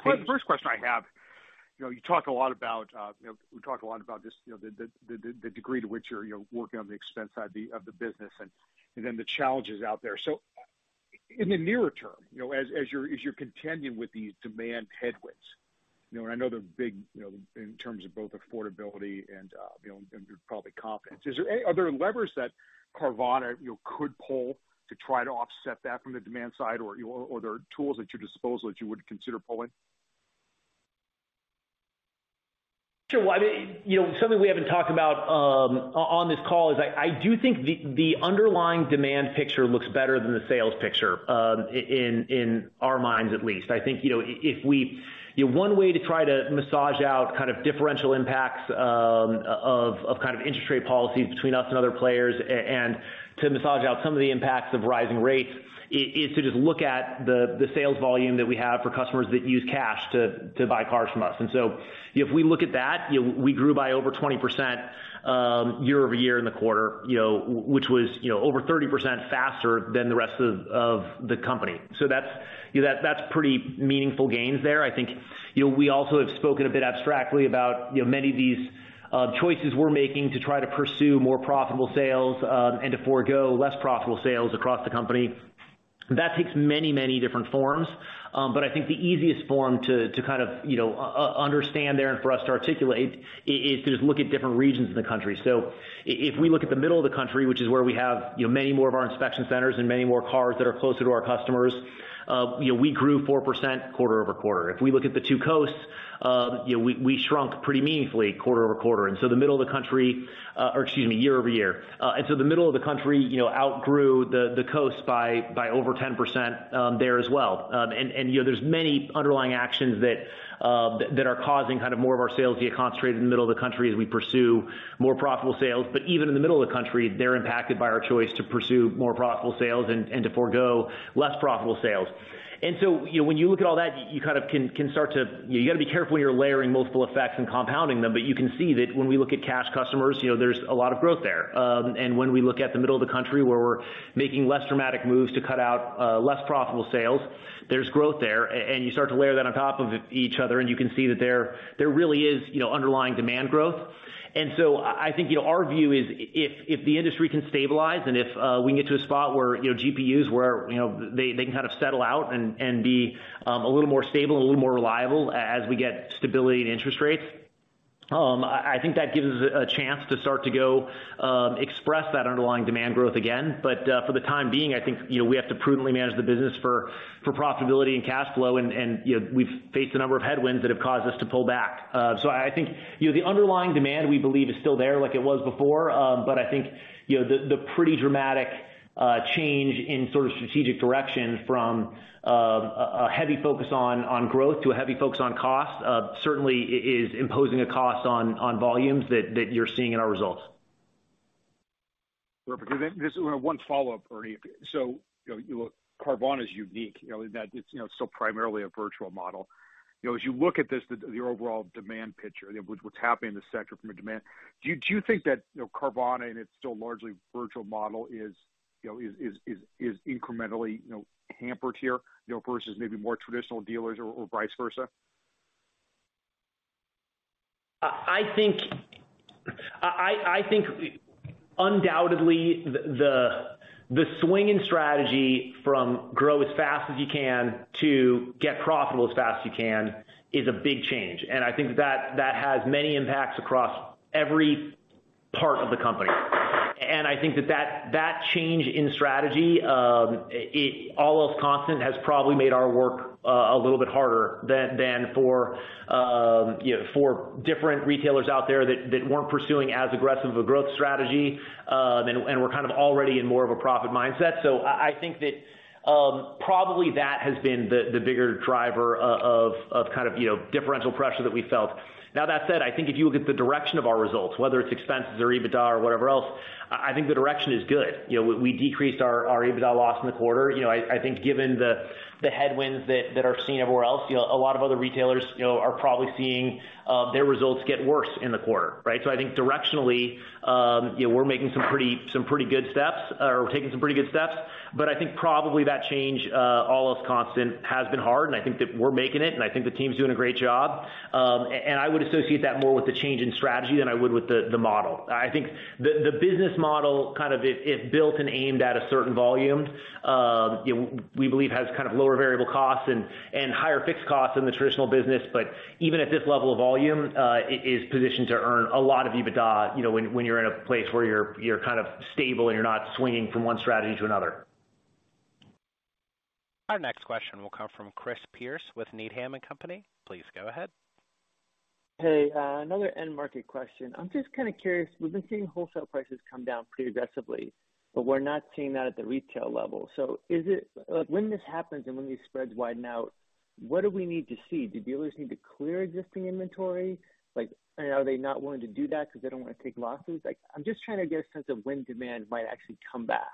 Thanks. First question I have, you know, you talk a lot about, you know, we talk a lot about this, you know, the degree to which you're, you know, working on the expense side of the business and then the challenges out there. In the nearer term, you know, as you're contending with these demand headwinds, you know, and I know they're big, you know, in terms of both affordability and, you know, and probably confidence. Is there any other levers that Carvana, you know, could pull to try to offset that from the demand side or are there tools at your disposal that you would consider pulling? Sure. Well, I mean, you know, something we haven't talked about, on this call is I do think the underlying demand picture looks better than the sales picture, in our minds at least. I think, you know, if we, you know, one way to try to massage out kind of differential impacts, of kind of interest rate policies between us and other players and to massage out some of the impacts of rising rates is to just look at the sales volume that we have for customers that use cash to buy cars from us. If we look at that, you know, we grew by over 20% year-over-year in the quarter, you know, which was, you know, over 30% faster than the rest of the company. That's, you know, that's pretty meaningful gains there. I think, you know, we also have spoken a bit abstractly about, you know, many of these, choices we're making to try to pursue more profitable sales, and to forgo less profitable sales across the company. That takes many different forms. But I think the easiest form to kind of, you know, understand there and for us to articulate is to just look at different regions in the country. If we look at the middle of the country, which is where we have, you know, many more of our inspection centers and many more cars that are closer to our customers, you know, we grew 4% quarter-over-quarter. If we look at the two coasts, you know, we shrunk pretty meaningfully quarter-over-quarter. The middle of the country, you know, outgrew the coast by over 10% there as well. You know, there's many underlying actions that are causing kind of more of our sales to get concentrated in the middle of the country as we pursue more profitable sales. Even in the middle of the country, they're impacted by our choice to pursue more profitable sales and to forgo less profitable sales. You know, when you look at all that, you kind of can start to. You gotta be careful when you're layering multiple effects and compounding them, but you can see that when we look at cash customers, you know, there's a lot of growth there. When we look at the middle of the country where we're making less dramatic moves to cut out less profitable sales, there's growth there. You start to layer that on top of each other and you can see that there really is, you know, underlying demand growth. I think, you know, our view is if the industry can stabilize and if we can get to a spot where, you know, GPUs where they can kind of settle out and be a little more stable and a little more reliable as we get stability in interest rates, I think that gives a chance to start to express that underlying demand growth again. For the time being, I think, you know, we have to prudently manage the business for profitability and cash flow and, you know, we've faced a number of headwinds that have caused us to pull back. I think, you know, the underlying demand we believe is still there like it was before, but I think, you know, the pretty dramatic change in sort of strategic direction from a heavy focus on growth to a heavy focus on cost certainly is imposing a cost on volumes that you're seeing in our results. Perfect. Then just, you know, one follow-up, Ernie. You know, Carvana is unique, you know, in that it's, you know, still primarily a virtual model. You know, as you look at this, the overall demand picture, you know, what's happening in the sector from a demand, do you think that, you know, Carvana and its still largely virtual model is, you know, incrementally, you know, hampered here, you know, versus maybe more traditional dealers or vice versa? I think undoubtedly the swing in strategy from grow as fast as you can to get profitable as fast as you can is a big change. I think that has many impacts across every part of the company. I think that change in strategy, all else constant, has probably made our work a little bit harder than for you know, for different retailers out there that weren't pursuing as aggressive of a growth strategy, and were kind of already in more of a profit mindset. I think that probably that has been the bigger driver of kind of you know, differential pressure that we felt. Now, that said, I think if you look at the direction of our results, whether it's expenses or EBITDA or whatever else, I think the direction is good. You know, we decreased our EBITDA loss in the quarter. You know, I think given the headwinds that are seen everywhere else, you know, a lot of other retailers, you know, are probably seeing their results get worse in the quarter, right? I think directionally, you know, we're making some pretty good steps or taking some pretty good steps. I think probably that change, all else constant, has been hard, and I think that we're making it, and I think the team's doing a great job. I would associate that more with the change in strategy than I would with the model. I think the business model kind of is built and aimed at a certain volume. You know, we believe has kind of lower variable costs and higher fixed costs than the traditional business. Even at this level of volume, it is positioned to earn a lot of EBITDA, you know, when you're in a place where you're kind of stable and you're not swinging from one strategy to another. Our next question will come from Chris Pierce with Needham & Company. Please go ahead. Hey, another end market question. I'm just kind of curious. We've been seeing wholesale prices come down pretty aggressively, but we're not seeing that at the retail level. Like when this happens and when these spreads widen out, what do we need to see? Do dealers need to clear existing inventory? Like, are they not willing to do that because they don't want to take losses? Like, I'm just trying to get a sense of when demand might actually come back.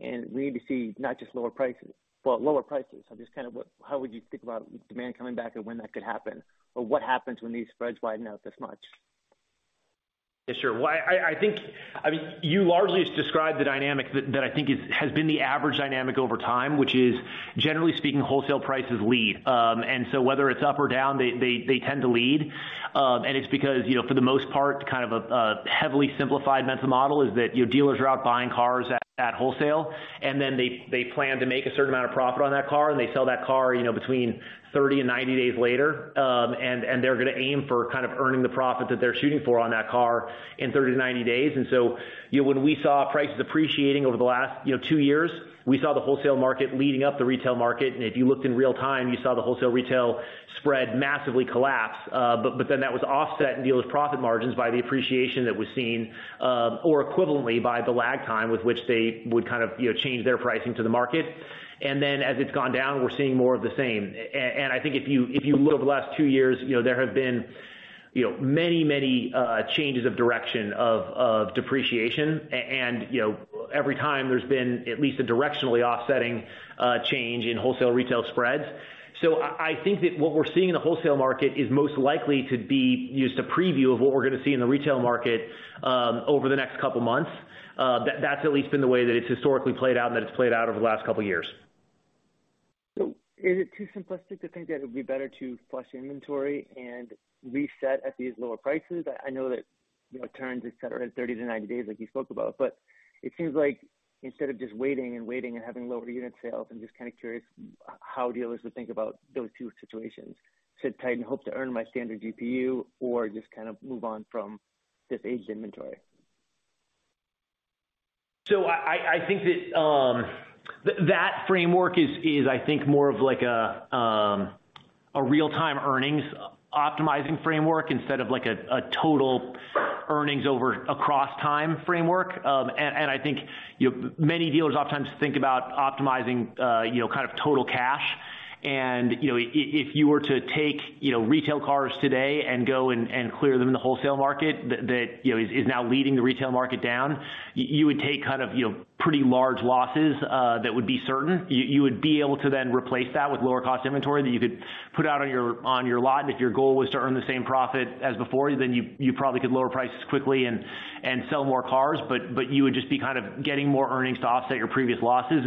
We need to see not just lower prices, but lower prices. Just kind of how would you think about demand coming back and when that could happen, or what happens when these spreads widen out this much? Yeah, sure. Well, I think I mean, you largely just described the dynamic that I think is has been the average dynamic over time, which is, generally speaking, wholesale prices lead. Whether it's up or down, they tend to lead. It's because, you know, for the most part, kind of a heavily simplified mental model is that, you know, dealers are out buying cars at wholesale, and then they plan to make a certain amount of profit on that car, and they sell that car, you know, between 30 days-90 days later. They're gonna aim for kind of earning the profit that they're shooting for on that car in 30 days to 90 days. You know, when we saw prices appreciating over the last, you know, two years, we saw the wholesale market leading up the retail market. If you looked in real time, you saw the wholesale retail spread massively collapse. But then that was offset in dealers' profit margins by the appreciation that was seen, or equivalently by the lag time with which they would kind of, you know, change their pricing to the market. Then as it's gone down, we're seeing more of the same. I think if you look over the last two years, you know, there have been, you know, many changes of direction of depreciation. You know, every time there's been at least a directionally offsetting change in wholesale retail spreads. I think that what we're seeing in the wholesale market is most likely to be just a preview of what we're gonna see in the retail market over the next couple months. That's at least been the way that it's historically played out and that it's played out over the last couple years. Is it too simplistic to think that it would be better to flush inventory and reset at these lower prices? I know that, you know, turns, et cetera, in 30 days-90 days like you spoke about. It seems like instead of just waiting and waiting and having lower unit sales, I'm just kind of curious how dealers would think about those two situations. Should they then hope to earn my standard GPU or just kind of move on from this aged inventory? I think that framework is I think more of like a real-time earnings optimizing framework instead of like a total earnings across time framework. I think you know many dealers oftentimes think about optimizing you know kind of total cash. If you were to take you know retail cars today and go and clear them in the wholesale market that you know is now leading the retail market down you would take kind of you know pretty large losses that would be certain. You would be able to then replace that with lower cost inventory that you could put out on your lot. If your goal was to earn the same profit as before then you probably could lower prices quickly and sell more cars. You would just be kind of getting more earnings to offset your previous losses.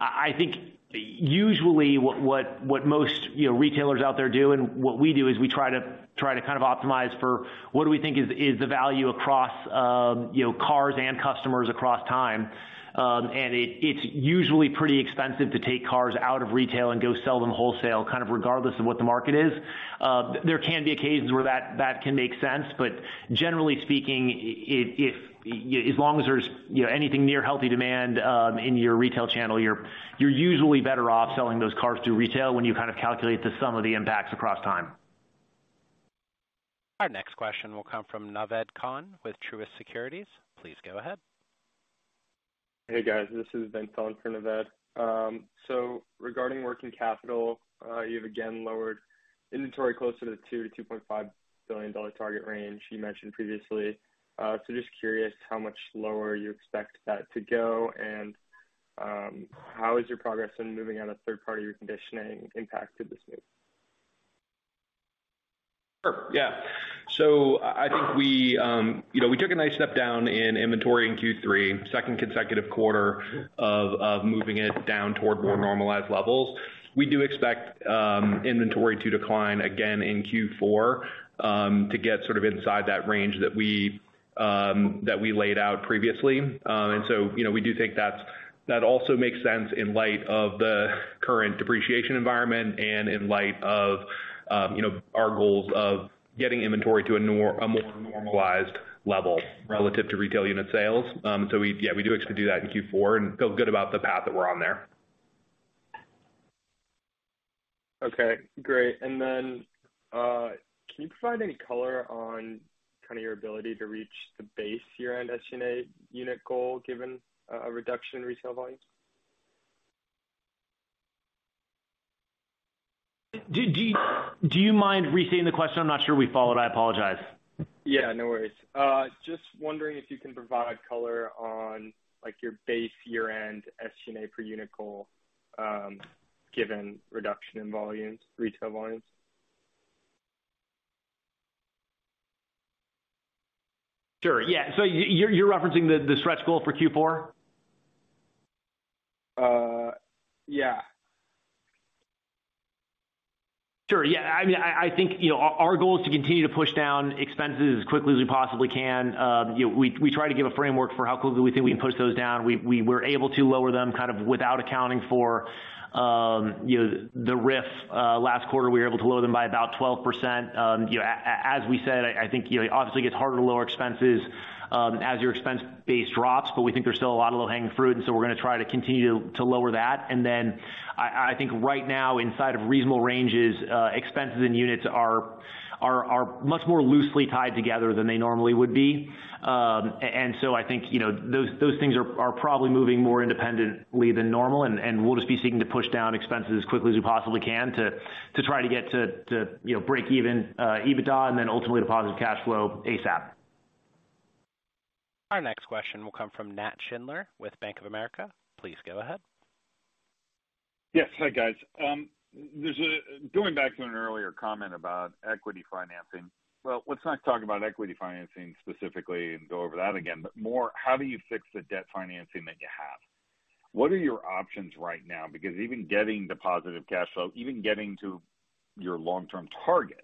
I think usually what most, you know, retailers out there do and what we do is we try to kind of optimize for what do we think is the value across, you know, cars and customers across time. It's usually pretty expensive to take cars out of retail and go sell them wholesale, kind of regardless of what the market is. There can be occasions where that can make sense. Generally speaking, if you know, as long as there's, you know, anything near healthy demand in your retail channel, you're usually better off selling those cars through retail when you kind of calculate the sum of the impacts across time. Our next question will come from Naved Khan with Truist Securities. Please go ahead. Hey, guys, this is Benjamin Thelen for Naved Khan. Regarding working capital, you've again lowered inventory closer to the $2 billion-$2.5 billion target range you mentioned previously. Just curious how much lower you expect that to go and how is your progress in moving out third-party reconditioning impact to this move? Sure, yeah. I think we, you know, we took a nice step down in inventory in Q3, second consecutive quarter of moving it down toward more normalized levels. We do expect inventory to decline again in Q4 to get sort of inside that range that we laid out previously. You know, we do think that also makes sense in light of the current depreciation environment and in light of, you know, our goals of getting inventory to a more normalized level relative to retail unit sales. We, yeah, we do expect to do that in Q4 and feel good about the path that we're on there. Okay, great. Then, can you provide any color on kind of your ability to reach the base year-end SG&A unit goal, given a reduction in retail volumes? Do you mind restating the question? I'm not sure we followed. I apologize. Yeah, no worries. Just wondering if you can provide color on, like, your base year-end SG&A per unit goal, given reduction in volumes, retail volumes. Sure, yeah. You're referencing the stretch goal for Q4? Yeah. Sure. Yeah, I mean, I think, you know, our goal is to continue to push down expenses as quickly as we possibly can. You know, we try to give a framework for how quickly we think we can push those down. We were able to lower them kind of without accounting for, you know, the risk. Last quarter, we were able to lower them by about 12%. You know, as we said, I think, you know, it obviously gets harder to lower expenses, as your expense base drops, but we think there's still a lot of low-hanging fruit, and so we're gonna try to continue to lower that. Then I think right now, inside of reasonable ranges, expenses and units are much more loosely tied together than they normally would be. I think, you know, those things are probably moving more independently than normal, and we'll just be seeking to push down expenses as quickly as we possibly can to try to get to you know break even EBITDA and then ultimately to positive cash flow ASAP. Our next question will come from Nat Schindler with Bank of America. Please go ahead. Yes. Hi, guys. Going back to an earlier comment about equity financing. Well, let's not talk about equity financing specifically and go over that again. More, how do you fix the debt financing that you have? What are your options right now? Because even getting to positive cash flow, even getting to your long-term targets.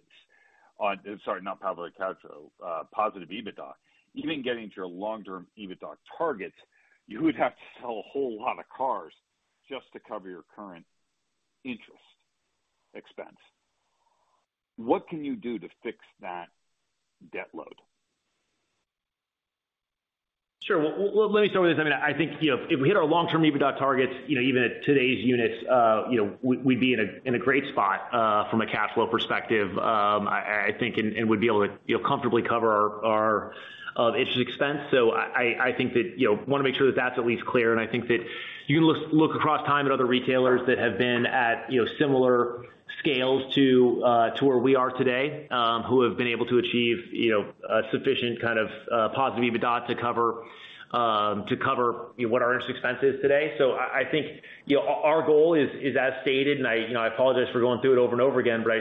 Sorry, not positive cash flow, positive EBITDA. Even getting to your long-term EBITDA targets, you would have to sell a whole lot of cars just to cover your current interest expense. What can you do to fix that debt load? Sure. Well, let me start with this. I mean, I think, you know, if we hit our long-term EBITDA targets, you know, even at today's units, you know, we'd be in a great spot from a cash flow perspective. I think and would be able to, you know, comfortably cover our interest expense. I think that, you know, wanna make sure that that's at least clear. I think that you can look across time at other retailers that have been at, you know, similar scales to where we are today, who have been able to achieve, you know, a sufficient kind of positive EBITDA to cover what our interest expense is today. I think, you know, our goal is as stated, and I, you know, I apologize for going through it over and over again, but I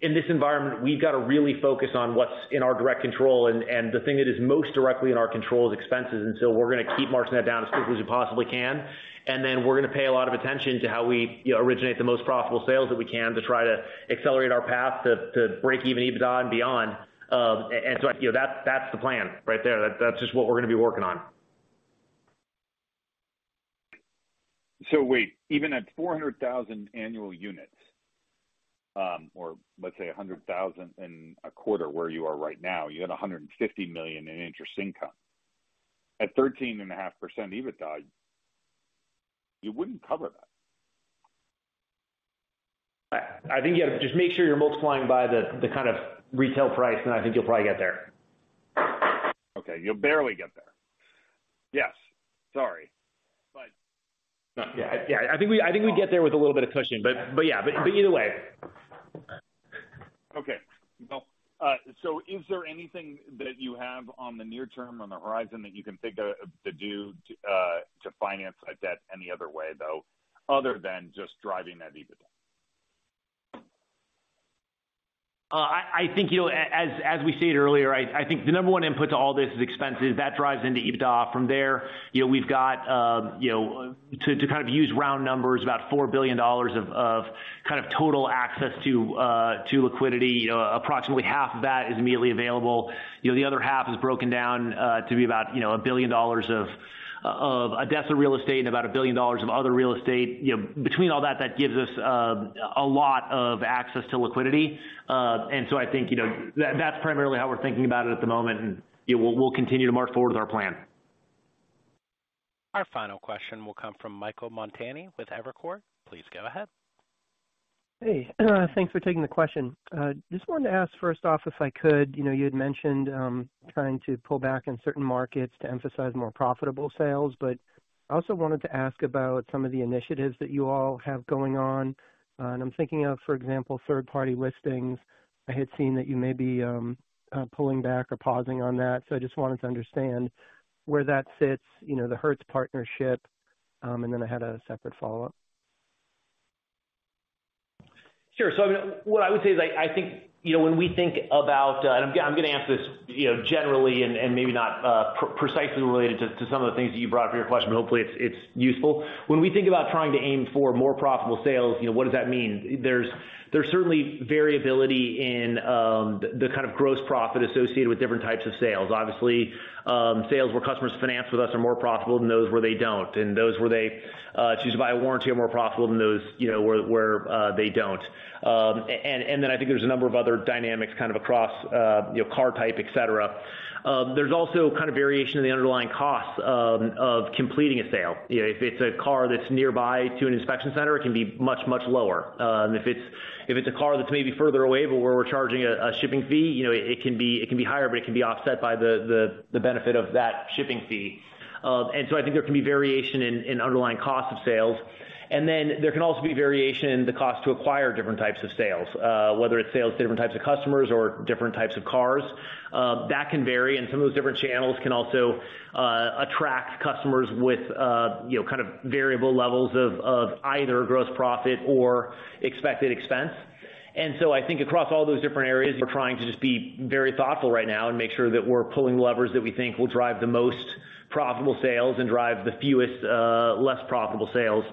just think in this environment, we've gotta really focus on what's in our direct control, and the thing that is most directly in our control is expenses. We're gonna keep marching that down as quickly as we possibly can. We're gonna pay a lot of attention to how we, you know, originate the most profitable sales that we can to try to accelerate our path to break even EBITDA and beyond. You know, that's the plan right there. That's just what we're gonna be working on. Wait, even at 0.4 million annual units, or let's say 0.1 million in a quarter where you are right now, you had $150 million in interest income. At 13.5% EBITDA, you wouldn't cover that. I think you just have to make sure you're multiplying by the kind of retail price, and I think you'll probably get there. Okay. You'll barely get there. Yes. Sorry. Yeah. I think we get there with a little bit of cushion, but yeah. Either way. Well, is there anything that you have on the near term on the horizon that you can think of to do to finance that debt any other way, though, other than just driving that EBITDA? I think, you know, as we stated earlier, I think the number one input to all this is expenses. That drives into EBITDA. From there, you know, we've got, you know, to kind of use round numbers, about $4 billion of kind of total access to liquidity. You know, approximately half of that is immediately available. You know, the other half is broken down to be about, you know, $1 billion of ADESA real estate and about $1 billion of other real estate. You know, between all that gives us a lot of access to liquidity. I think, you know, that's primarily how we're thinking about it at the moment, and, you know, we'll continue to march forward with our plan. Our final question will come from Michael Montani with Evercore ISI. Please go ahead. Hey. Thanks for taking the question. Just wanted to ask first off if I could, you know, you had mentioned trying to pull back in certain markets to emphasize more profitable sales. I also wanted to ask about some of the initiatives that you all have going on. I'm thinking of, for example, third-party listings. I had seen that you may be pulling back or pausing on that. I just wanted to understand where that sits, you know, the Hertz partnership. Then I had a separate follow-up. Sure. So, I mean, what I would say is I think, you know, when we think about. I'm gonna answer this, you know, generally and maybe not precisely related to some of the things that you brought for your question, but hopefully it's useful. When we think about trying to aim for more profitable sales, you know, what does that mean? There's certainly variability in the kind of gross profit associated with different types of sales. Obviously, sales where customers finance with us are more profitable than those where they don't, and those where they choose to buy a warranty are more profitable than those, you know, where they don't. And then I think there's a number of other dynamics kind of across, you know, car type, et cetera. There's also kind of variation in the underlying costs of completing a sale. You know, if it's a car that's nearby to an inspection center, it can be much lower. If it's a car that's maybe further away, but where we're charging a shipping fee, you know, it can be higher, but it can be offset by the benefit of that shipping fee. I think there can be variation in underlying cost of sales. There can also be variation in the cost to acquire different types of sales, whether it's sales to different types of customers or different types of cars. That can vary, and some of those different channels can also attract customers with you know, kind of variable levels of either gross profit or expected expense. I think across all those different areas, we're trying to just be very thoughtful right now and make sure that we're pulling levers that we think will drive the most profitable sales and drive the fewest less profitable sales.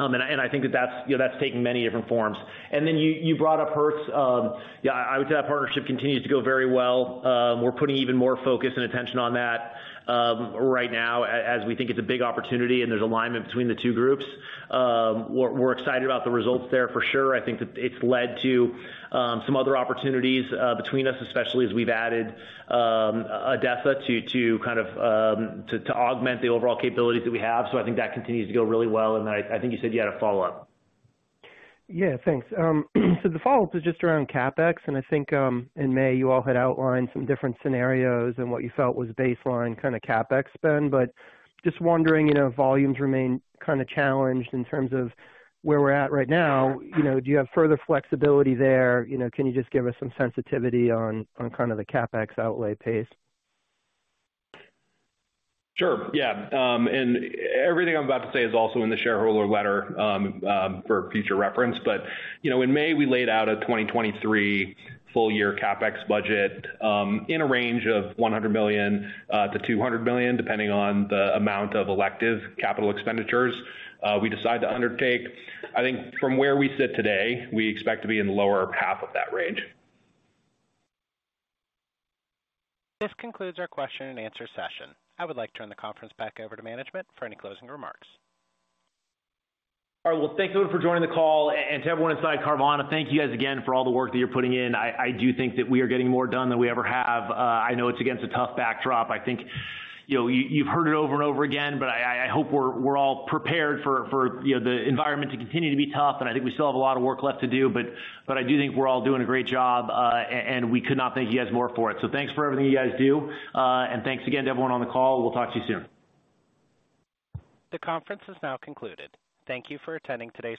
I think that that's you know, that's taking many different forms. You brought up Hertz. Yeah, I would say that partnership continues to go very well. We're putting even more focus and attention on that right now as we think it's a big opportunity and there's alignment between the two groups. We're excited about the results there for sure. I think that it's led to some other opportunities between us, especially as we've added ADESA to kind of augment the overall capabilities that we have. I think that continues to go really well. I think you said you had a follow-up. Yeah, thanks. The follow-up is just around CapEx. I think, in May, you all had outlined some different scenarios and what you felt was baseline kind of CapEx spend. Just wondering, you know, volumes remain kind of challenged in terms of where we're at right now. You know, do you have further flexibility there? You know, can you just give us some sensitivity on kind of the CapEx outlay pace? Sure, yeah. Everything I'm about to say is also in the shareholder letter, for future reference. You know, in May, we laid out a 2023 full-year CapEx budget, in a range of $100 million-$200 million, depending on the amount of elective capital expenditures we decide to undertake. I think from where we sit today, we expect to be in the lower half of that range. This concludes our question and answer session. I would like to turn the conference back over to management for any closing remarks. All right. Well, thank you for joining the call. To everyone inside Carvana, thank you guys again for all the work that you're putting in. I do think that we are getting more done than we ever have. I know it's against a tough backdrop. I think, you know, you've heard it over and over again, but I hope we're all prepared for, you know, the environment to continue to be tough, and I think we still have a lot of work left to do. I do think we're all doing a great job, and we could not thank you guys more for it. Thanks for everything you guys do, and thanks again to everyone on the call. We'll talk to you soon. The conference is now concluded. Thank you for attending today's presentation.